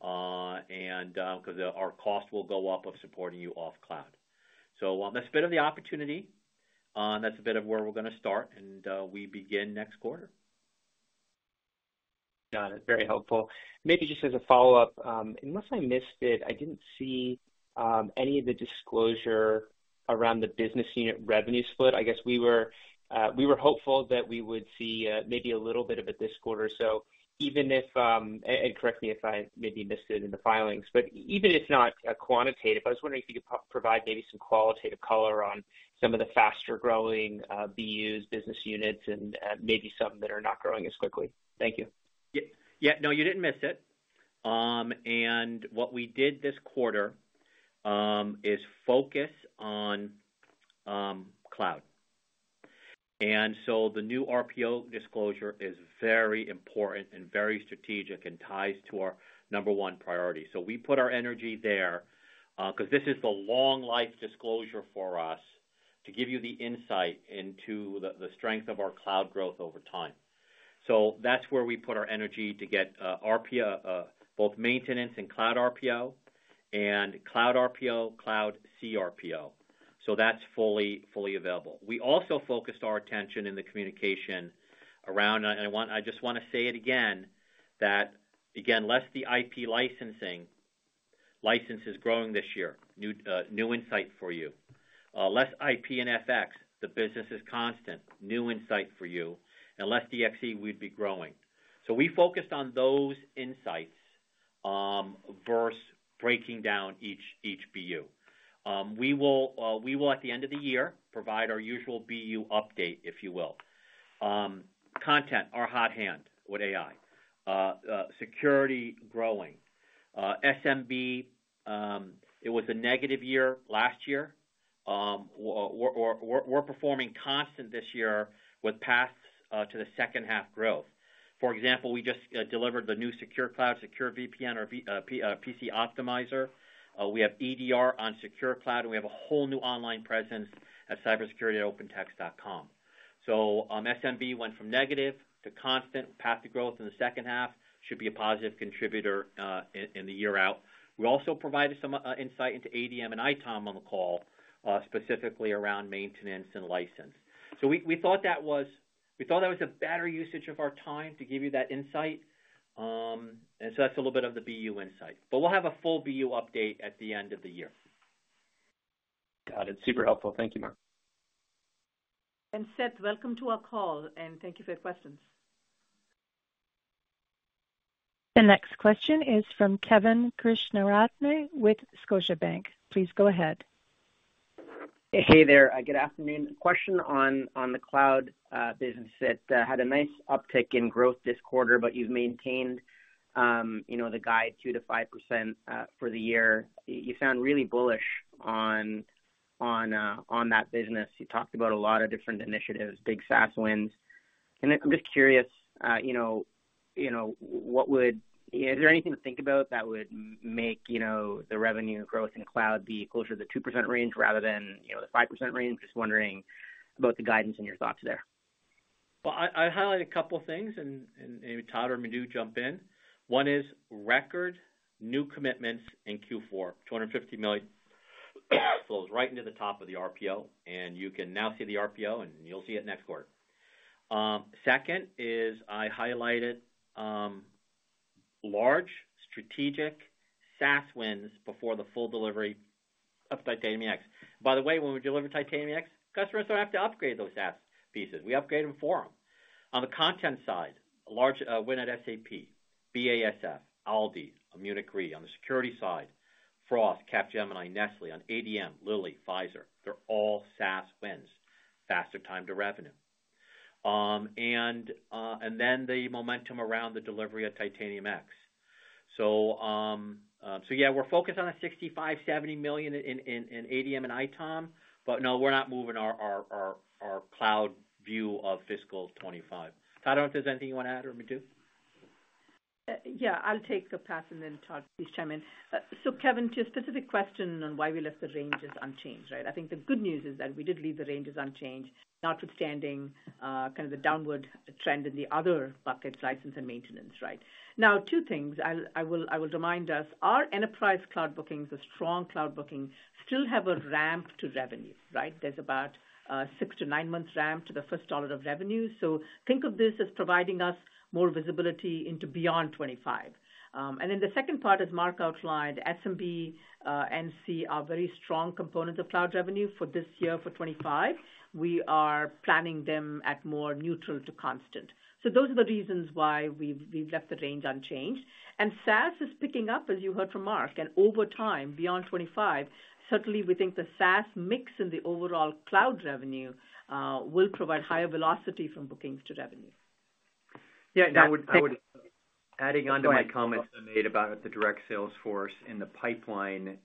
because our cost will go up of supporting you off cloud. That's a bit of the opportunity. That's a bit of where we're going to start, and we begin next quarter. Got it. Very helpful. Maybe just as a follow-up, unless I missed it, I didn't see any of the disclosure around the business unit revenue split. I guess we were hopeful that we would see maybe a little bit of it this quarter. So even if, and correct me if I maybe missed it in the filings, but even if not quantitative, I was wondering if you could provide maybe some qualitative color on some of the faster-growing BUs, business units, and maybe some that are not growing as quickly. Thank you. Yeah. No, you didn't miss it. And what we did this quarter is focus on cloud. And so the new RPO disclosure is very important and very strategic and ties to our number one priority. So we put our energy there because this is the long-life disclosure for us to give you the insight into the strength of our cloud growth over time. So that's where we put our energy to get RPO, both maintenance and cloud RPO, and cloud RPO, Cloud cRPO. So that's fully available. We also focused our attention in the communication around, and I just want to say it again, that, again, less the IP licensing license is growing this year. New insight for you. Less IP and FX. The business is constant. New insight for you. Unless DXC, we'd be growing. So we focused on those insights versus breaking down each BU. We will, at the end of the year, provide our usual BU update, if you will. Content, our hot hand with AI. Security growing. SMB, it was a negative year last year. We're performing constant this year with paths to the second half growth. For example, we just delivered the new Secure Cloud, Secure VPN, or PC Optimizer. We have EDR on Secure Cloud, and we have a whole new online presence at cybersecurity@opentext.com. So SMB went from negative to constant. Path to growth in the second half should be a positive contributor in the year out. We also provided some insight into ADM and ITOM on the call, specifically around maintenance and license. So we thought that was a better usage of our time to give you that insight. And so that's a little bit of the BU insight. But we'll have a full BU update at the end of the year. Got it. Super helpful. Thank you, Mark. And Seth, welcome to our call, and thank you for your questions. The next question is from Kevin Krishnaratne with Scotiabank. Please go ahead. Hey there. Good afternoon. Question on the cloud business that had a nice uptick in growth this quarter, but you've maintained the guide 2%-5% for the year. You sound really bullish on that business You talked about a lot of different initiatives, big SaaS wins. And I'm just curious, what is there anything to think about that would make the revenue growth in cloud be closer to the 2% range rather than the 5% range? Just wondering about the guidance and your thoughts there. I highlighted a couple of things, and maybe Todd or Madhu jump in. One is record new commitments in Q4. $250 million flows right into the top of the RPO, and you can now see the RPO, and you'll see it next quarter. Second is I highlighted large strategic SaaS wins before the full delivery of Titanium X. By the way, when we deliver Titanium X, customers don't have to upgrade those SaaS pieces. We upgrade them for them. On the content side, large win at SAP, BASF, ALDI, Munich Re. On the security side, Frost, Capgemini, Nestlé. On ADM, Lilly, Pfizer. They're all SaaS wins. Faster time to revenue, and then the momentum around the delivery of Titanium X. So yeah, we're focused on $65-70 million in ADM and ITOM, but no, we're not moving our cloud view of fiscal 2025. Todd, if there's anything you want to add or Madhu? Yeah, I'll take that and then Todd, please chime in. So Kevin, to your specific question on why we left the ranges unchanged, right? I think the good news is that we did leave the ranges unchanged, notwithstanding kind of the downward trend in the other buckets, license and maintenance, right? Now, two things I will remind us. Our enterprise cloud bookings, the strong cloud booking, still have a ramp to revenues, right? There's about a six- to nine-month ramp to the first dollar of revenue. So think of this as providing us more visibility into beyond 2025. And then the second part, as Mark outlined, SMB and Consumer or C are very strong components of cloud revenue for this year, for 2025. We are planning them at more neutral to constant. So those are the reasons why we've left the range unchanged. And SaaS is picking up, as you heard from Mark. And over time, beyond 2025, certainly we think the SaaS mix in the overall cloud revenue will provide higher velocity from bookings to revenue. Yeah, and that would adding on to my comments I made about the direct salesforce in the pipeline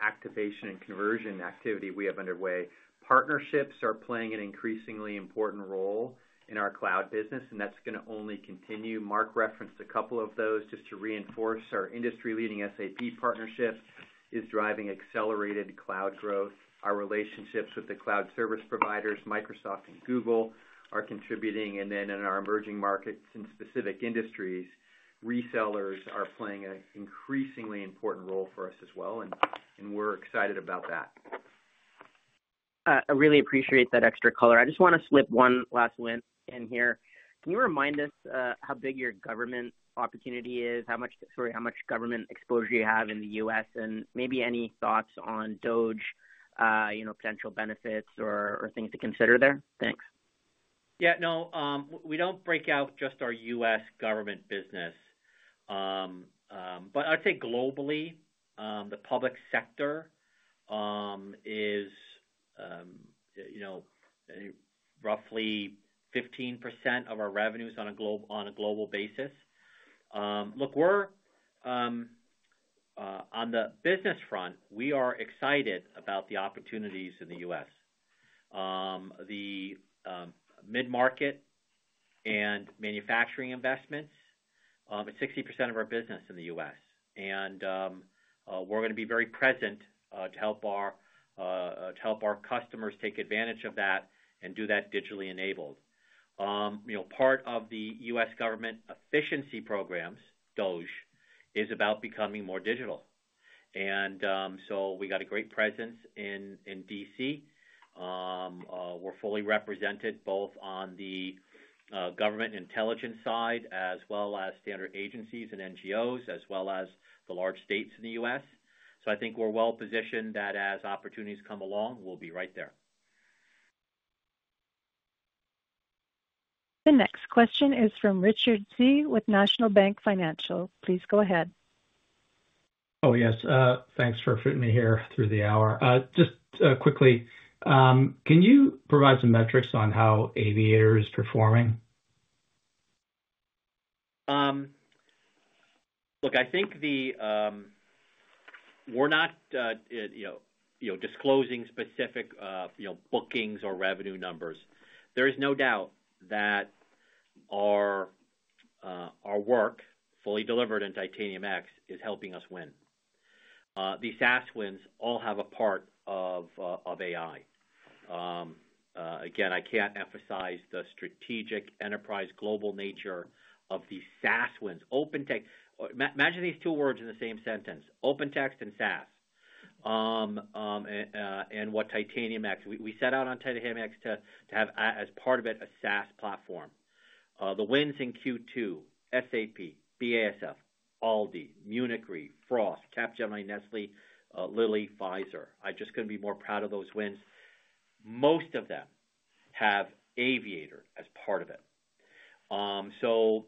activation and conversion activity we have underway. Partnerships are playing an increasingly important role in our cloud business, and that's going to only continue. Mark referenced a couple of those just to reinforce our industry-leading SAP partnerships is driving accelerated cloud growth. Our relationships with the cloud service providers, Microsoft and Google, are contributing, and then in our emerging markets and specific industries, resellers are playing an increasingly important role for us as well, and we're excited about that. I really appreciate that extra color. I just want to slip one last wind in here. Can you remind us how big your government opportunity is? Sorry, how much government exposure you have in the U.S.? And maybe any thoughts on DOGE, potential benefits or things to consider there? Thanks. Yeah, no, we don't break out just our U.S. government business, but I'd say globally, the public sector is roughly 15% of our revenues on a global basis. Look, on the business front, we are excited about the opportunities in the U.S. The mid-market and manufacturing investments, 60% of our business in the U.S. We're going to be very present to help our customers take advantage of that and do that digitally enabled. Part of the U.S. government efficiency programs, DOGE, is about becoming more digital. We got a great presence in D.C. We're fully represented both on the government intelligence side as well as standard agencies and NGOs, as well as the large states in the U.S. I think we're well positioned that as opportunities come along, we'll be right there. The next question is from Richard Tse with National Bank Financial. Please go ahead. Oh, yes. Thanks for fitting me here through the hour. Just quickly, can you provide some metrics on how Aviator is performing? Look, I think we're not disclosing specific bookings or revenue numbers. There is no doubt that our work, fully delivered in Titanium X, is helping us win. These SaaS wins all have a part of AI. Again, I can't emphasize the strategic enterprise global nature of these SaaS wins. Imagine these two words in the same sentence: OpenText and SaaS. And what Titanium X—we set out on Titanium X to have, as part of it, a SaaS platform. The wins in Q2: SAP, BASF, ALDI, Munich Re, Frost, Capgemini, Nestlé, Lilly, Pfizer. I just couldn't be more proud of those wins. Most of them have Aviator as part of it. So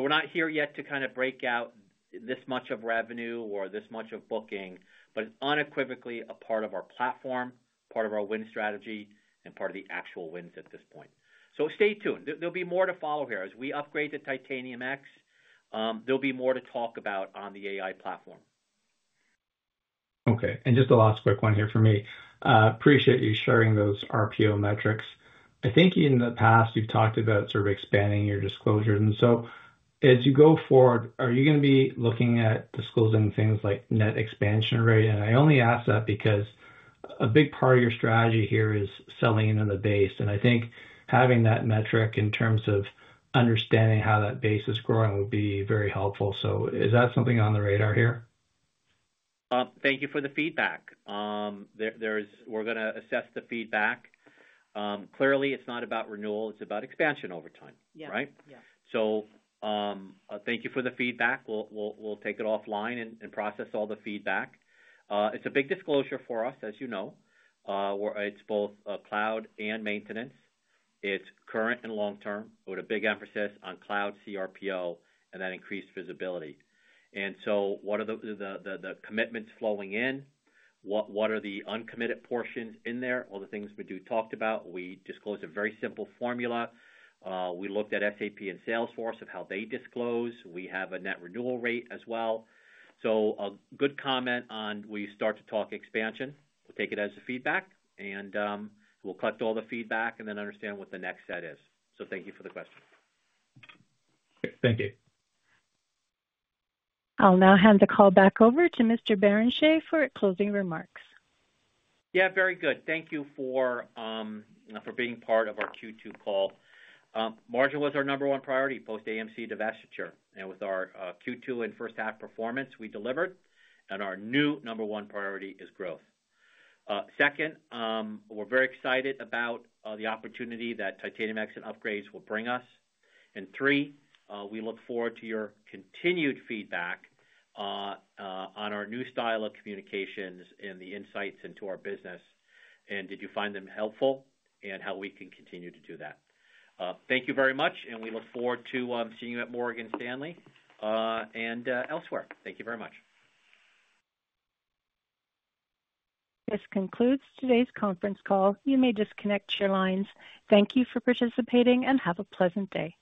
we're not here yet to kind of break out this much of revenue or this much of booking, but unequivocally a part of our platform, part of our win strategy, and part of the actual wins at this point. So stay tuned. There'll be more to follow here as we upgrade to Titanium X. There'll be more to talk about on the AI platform. Okay. And just the last quick one here for me. Appreciate you sharing those RPO metrics. I think in the past, you've talked about sort of expanding your disclosure. And so as you go forward, are you going to be looking at disclosing things like net expansion rate? And I only ask that because a big part of your strategy here is selling in on the base. And I think having that metric in terms of understanding how that base is growing would be very helpful. So is that something on the radar here? Thank you for the feedback. We're going to assess the feedback. Clearly, it's not about renewal. It's about expansion over time, right? So thank you for the feedback. We'll take it offline and process all the feedback. It's a big disclosure for us, as you know. It's both cloud and maintenance. It's current and long-term. We put a big emphasis on Cloud cRPO and that increased visibility. And so what are the commitments flowing in? What are the uncommitted portions in there? All the things Madhu talked about. We disclose a very simple formula. We looked at SAP and Salesforce of how they disclose. We have a net renewal rate as well. So a good comment on when you start to talk expansion, we'll take it as feedback, and we'll collect all the feedback and then understand what the next set is. So thank you for the question. Thank you. I'll now hand the call back over to Mr. Barrenechea for closing remarks. Yeah, very good. Thank you for being part of our Q2 call. Margin was our number one priority post-AMC divestiture. And with our Q2 and first-half performance, we delivered. And our new number one priority is growth. Second, we're very excited about the opportunity that Titanium X and upgrades will bring us. And three, we look forward to your continued feedback on our new style of communications and the insights into our business. And did you find them helpful and how we can continue to do that? Thank you very much. And we look forward to seeing you at Morgan Stanley and elsewhere. Thank you very much. This concludes today's conference call. You may disconnect your lines. Thank you for participating and have a pleasant day.